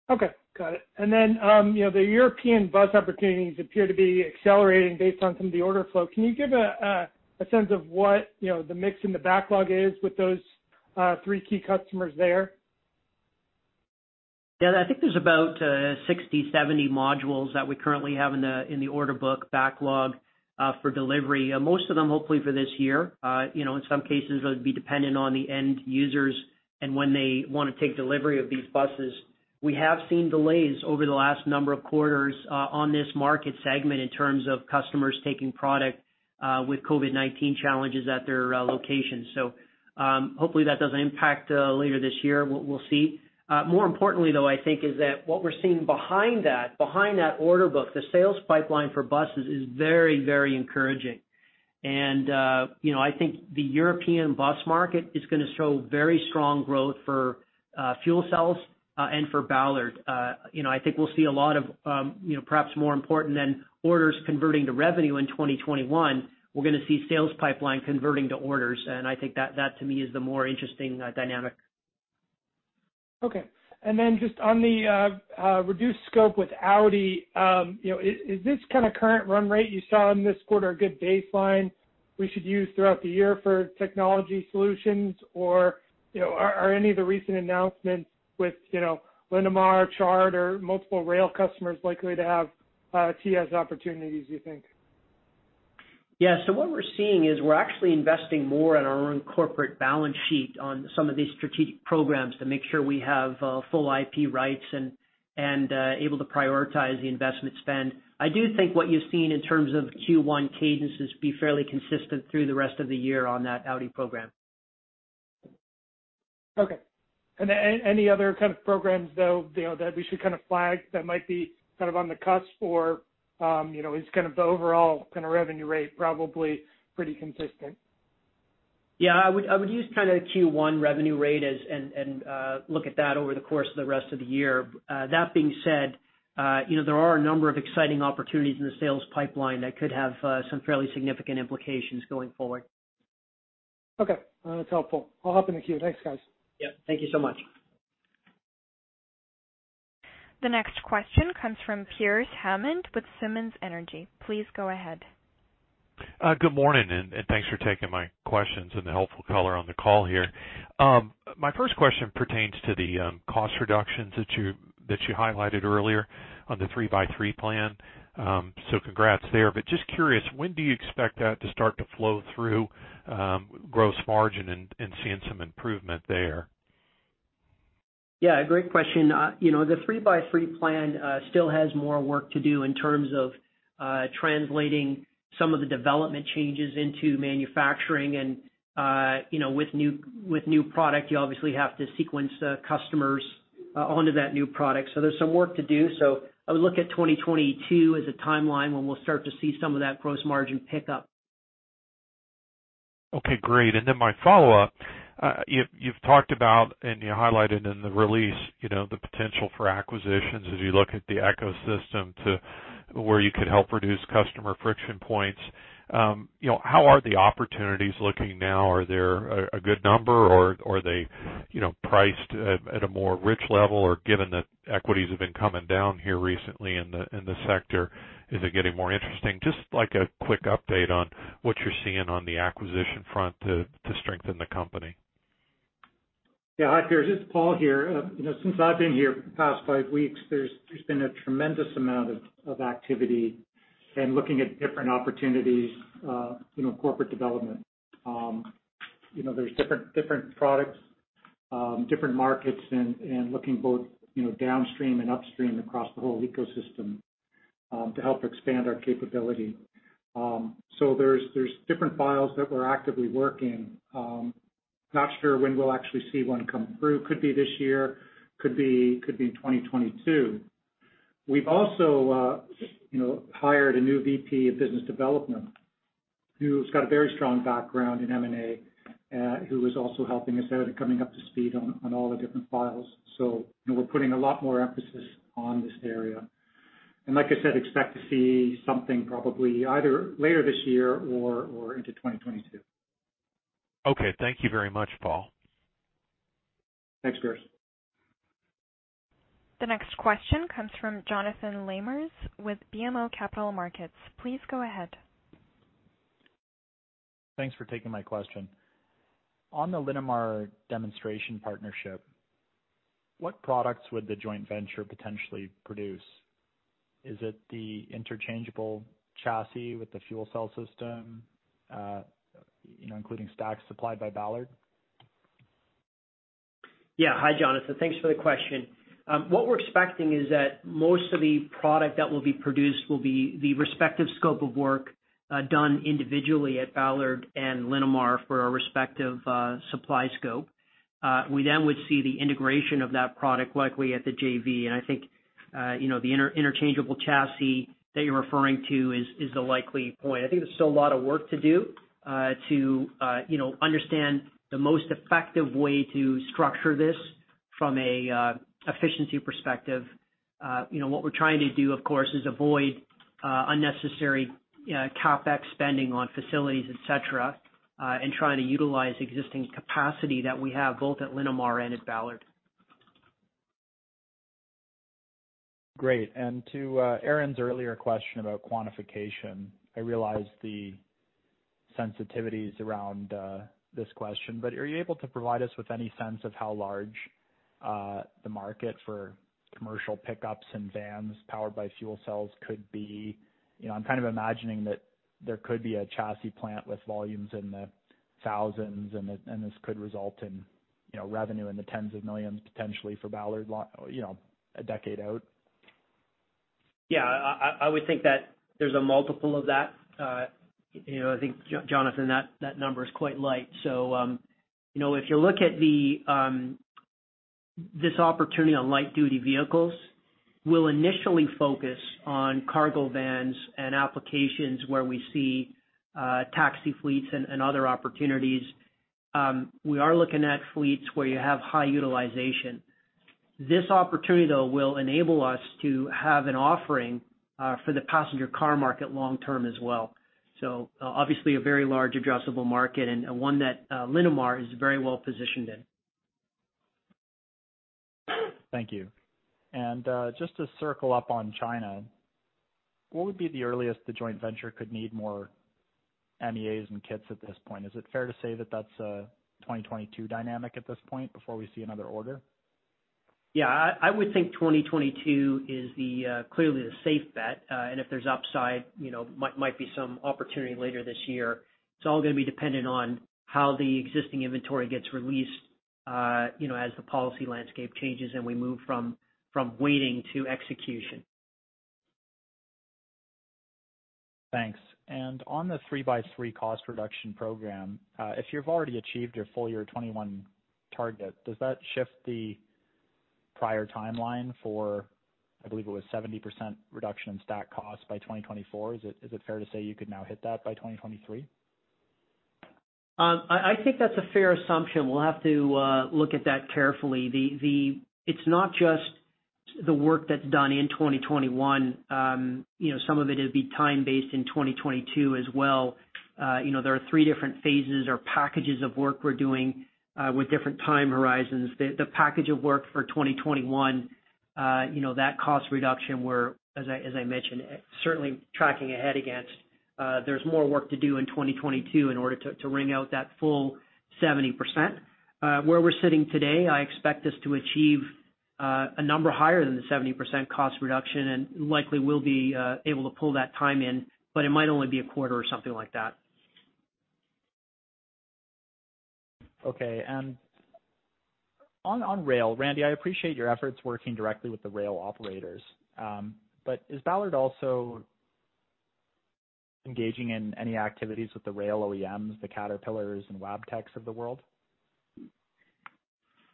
Okay. Got it. The European bus opportunities appear to be accelerating based on some of the order flow. Can you give a sense of what the mix in the backlog is with those three key customers there? I think there's about 60, 70 modules that we currently have in the order book backlog for delivery. Most of them hopefully for this year. In some cases, that would be dependent on the end users and when they want to take delivery of these buses. We have seen delays over the last number of quarters on this market segment in terms of customers taking product with COVID-19 challenges at their locations. Hopefully, that doesn't impact later this year. We'll see. More importantly, though, I think, is that what we're seeing behind that order book, the sales pipeline for buses is very encouraging. I think the European bus market is going to show very strong growth for fuel cells and for Ballard. I think we'll see a lot of, perhaps more important than orders converting to revenue in 2021, we're going to see sales pipeline converting to orders. I think that to me is the more interesting dynamic. Just on the reduced scope with Audi, is this kind of current run rate you saw in this quarter a good baseline we should use throughout the year for technology solutions? Or are any of the recent announcements with Linamar, Chart, multiple rail customers likely to have TS opportunities, you think? What we're seeing is we're actually investing more on our own corporate balance sheet on some of these strategic programs to make sure we have full IP rights and able to prioritize the investment spend. I do think what you've seen in terms of Q1 cadences be fairly consistent through the rest of the year on that Audi program. Okay. Any other kind of programs, though, that we should flag that might be on the cusp? Or is the overall revenue rate probably pretty consistent? Yeah, I would use Q1 revenue rate and look at that over the course of the rest of the year. That being said, there are a number of exciting opportunities in the sales pipeline that could have some fairly significant implications going forward. Okay. That's helpful. I'll hop in the queue. Thanks, guys. Yep. Thank you so much. The next question comes from Pearce Hammond with Simmons Energy. Please go ahead. Good morning. Thanks for taking my questions and the helpful color on the call here. My first question pertains to the cost reductions that you highlighted earlier on the 3x3 plan. Congrats there. Just curious, when do you expect that to start to flow through gross margin and seeing some improvement there? Yeah, great question. The 3x3 plan still has more work to do in terms of translating some of the development changes into manufacturing and with new product, you obviously have to sequence customers onto that new product. There's some work to do. I would look at 2022 as a timeline when we'll start to see some of that gross margin pick up. Okay, great. My follow-up, you've talked about, and you highlighted in the release, the potential for acquisitions as you look at the ecosystem to where you could help reduce customer friction points. How are the opportunities looking now? Are there a good number, or are they priced at a more rich level? Given that equities have been coming down here recently in the sector, is it getting more interesting? Just like a quick update on what you're seeing on the acquisition front to strengthen the company. Yeah. Hi, Pearce, it's Paul here. Since I've been here for the past five weeks, there's been a tremendous amount of activity and looking at different opportunities, corporate development. There's different products, different markets, and looking both downstream and upstream across the whole ecosystem, to help expand our capability. There's different files that we're actively working on. Not sure when we'll actually see one come through. Could be this year, could be 2022. We've also hired a new VP of business development who's got a very strong background in M&A, who is also helping us out and coming up to speed on all the different files. We're putting a lot more emphasis on this area, and like I said, expect to see something probably either later this year or into 2022. Okay. Thank you very much, Paul. Thanks, Pearce. The next question comes from Jonathan Lamers with BMO Capital Markets. Please go ahead. Thanks for taking my question. On the Linamar demonstration partnership, what products would the joint venture potentially produce? Is it the interchangeable chassis with the fuel cell system, including stacks supplied by Ballard? Yeah. Hi, Jonathan. Thanks for the question. What we're expecting is that most of the product that will be produced will be the respective scope of work done individually at Ballard and Linamar for our respective supply scope. We would see the integration of that product likely at the JV, and I think the interchangeable chassis that you're referring to is the likely point. I think there's still a lot of work to do to understand the most effective way to structure this from an efficiency perspective. What we're trying to do, of course, is avoid unnecessary CapEx spending on facilities, et cetera, and trying to utilize existing capacity that we have both at Linamar and at Ballard. Great, and to Eric's earlier question about quantification, I realize the sensitivities around this question, but are you able to provide us with any sense of how large the market for commercial pickups and vans powered by fuel cells could be? I'm kind of imagining that there could be a chassis plant with volumes in the thousands, and this could result in revenue in the tens of millions potentially for Ballard a decade out. Yeah, I would think that there's a multiple of that. I think, Jonathan, that number is quite light. If you look at this opportunity on light duty vehicles, we'll initially focus on cargo vans and applications where we see taxi fleets and other opportunities. We are looking at fleets where you have high utilization. This opportunity, though, will enable us to have an offering for the passenger car market long term as well. Obviously a very large addressable market and one that Linamar is very well positioned in. Thank you. Just to circle up on China, what would be the earliest the joint venture could need more MEAs and kits at this point? Is it fair to say that that's a 2022 dynamic at this point before we see another order? Yeah, I would think 2022 is clearly the safe bet. If there's upside, might be some opportunity later this year. It's all going to be dependent on how the existing inventory gets released as the policy landscape changes and we move from waiting to execution. Thanks. On the 3x3 cost reduction program, if you've already achieved your full year 2021 target, does that shift the prior timeline for, I believe it was 70% reduction in stack cost by 2024? Is it fair to say you could now hit that by 2023? I think that's a fair assumption. We'll have to look at that carefully. It's not just the work that's done in 2021. Some of it'll be time based in 2022 as well. There are three different phases or packages of work we're doing with different time horizons. The package of work for 2021, that cost reduction we're, as I mentioned, certainly tracking ahead against. There's more work to do in 2022 in order to wring out that full 70%. Where we're sitting today, I expect us to achieve a number higher than the 70% cost reduction and likely will be able to pull that time in, but it might only be a quarter or something like that. Okay. On rail, Randy, I appreciate your efforts working directly with the rail operators. Is Ballard also engaging in any activities with the rail OEMs, the Caterpillar and Wabtec of the world?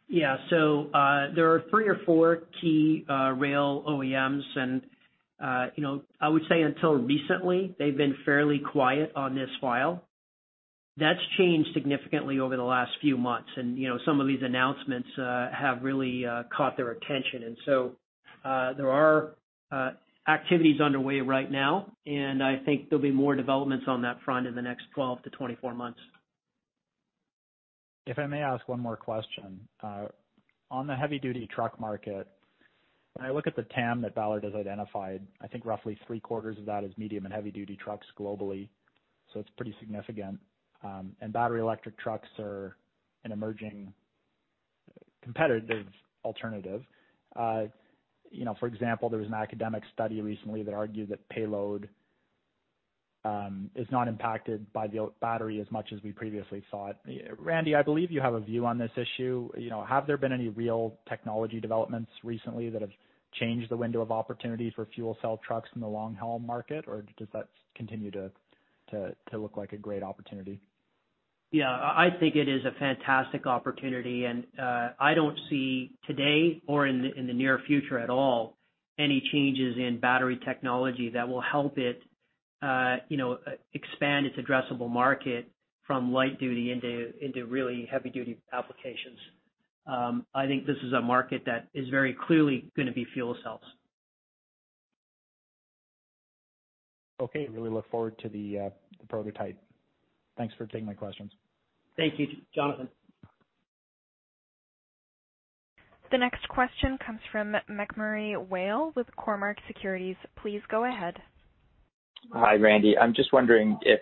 Yeah. There are three or four key rail OEMs and I would say until recently, they've been fairly quiet on this file. That's changed significantly over the last few months, and some of these announcements have really caught their attention. There are activities underway right now, and I think there'll be more developments on that front in the next 12 to 24 months. If I may ask one more question. On the heavy-duty truck market. When I look at the TAM that Ballard has identified, I think roughly three-quarters of that is medium and heavy-duty trucks globally, so it's pretty significant. Battery electric trucks are an emerging competitive alternative. For example, there was an academic study recently that argued that payload is not impacted by the battery as much as we previously thought. Randy, I believe you have a view on this issue. Have there been any real technology developments recently that have changed the window of opportunity for fuel cell trucks in the long-haul market, or does that continue to look like a great opportunity? Yeah, I think it is a fantastic opportunity. I don't see today or in the near future at all, any changes in battery technology that will help it expand its addressable market from light duty into really heavy-duty applications. I think this is a market that is very clearly going to be fuel cells. Okay. Really look forward to the prototype. Thanks for taking my questions. Thank you, Jonathan. The next question comes from MacMurray Whale with Cormark Securities. Please go ahead. Hi, Randy. I'm just wondering if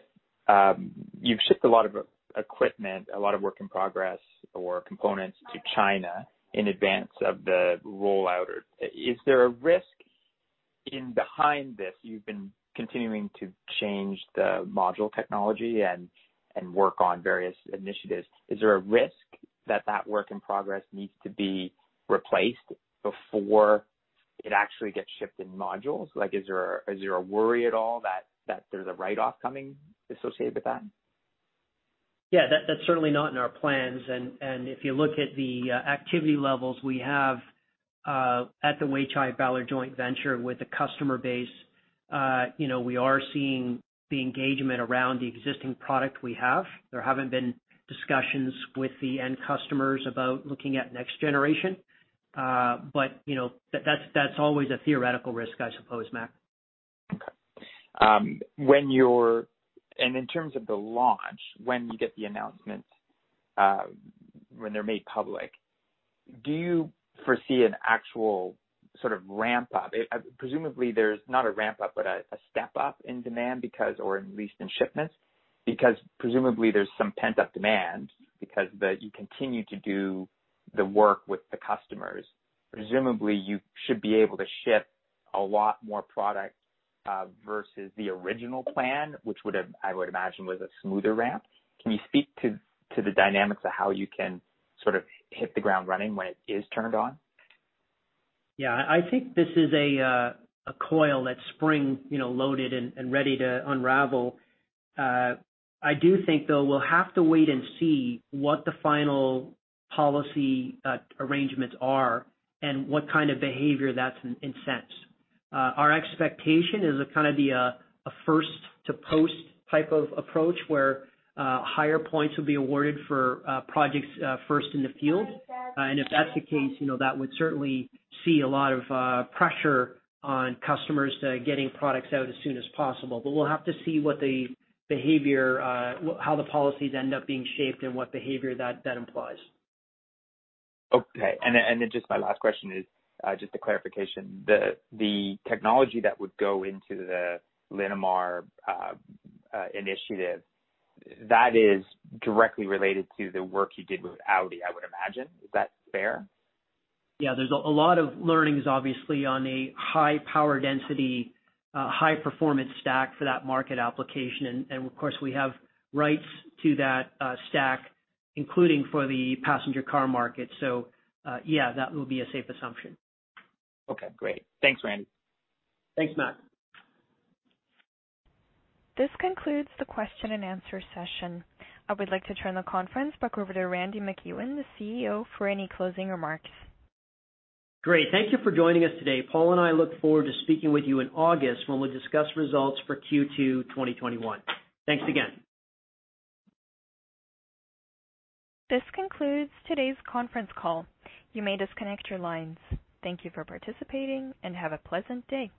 you've shipped a lot of equipment, a lot of work in progress or components to China in advance of the rollout. Is there a risk behind this? You've been continuing to change the module technology and work on various initiatives. Is there a risk that that work in progress needs to be replaced before it actually gets shipped in modules? Is there a worry at all that there's a write-off coming associated with that? That's certainly not in our plans. If you look at the activity levels we have at the Weichai-Ballard joint venture with the customer base, we are seeing the engagement around the existing product we have. There haven't been discussions with the end customers about looking at next generation. That's always a theoretical risk, I suppose, Mac. Okay. In terms of the launch, when you get the announcements, when they're made public, do you foresee an actual sort of ramp-up? Presumably there's not a ramp-up, but a step-up in demand or at least in shipments, because presumably there's some pent-up demand because you continue to do the work with the customers. Presumably, you should be able to ship a lot more product versus the original plan, which I would imagine was a smoother ramp. Can you speak to the dynamics of how you can sort of hit the ground running when it is turned on? Yeah. I think this is a coil that's spring-loaded and ready to unravel. I do think, though, we'll have to wait and see what the final policy arrangements are and what kind of behavior that incents. Our expectation is a kind of first-to-post type of approach, where higher points will be awarded for projects first in the field. If that's the case, that would certainly see a lot of pressure on customers to getting products out as soon as possible. We'll have to see how the policies end up being shaped and what behavior that implies. Okay. My last question is just a clarification. The technology that would go into the Linamar initiative, that is directly related to the work you did with Audi, I would imagine. Is that fair? Yeah, there's a lot of learnings, obviously, on a high power density, high performance stack for that market application. Of course, we have rights to that stack, including for the passenger car market. Yeah, that would be a safe assumption. Okay, great. Thanks, Randy. Thanks, Mac. This concludes the question and answer session. I would like to turn the conference back over to Randy MacEwen, the CEO, for any closing remarks. Great. Thank you for joining us today. Paul and I look forward to speaking with you in August when we discuss results for Q2 2021. Thanks again. This concludes today's conference call. You may disconnect your lines. Thank you for participating and have a pleasant day.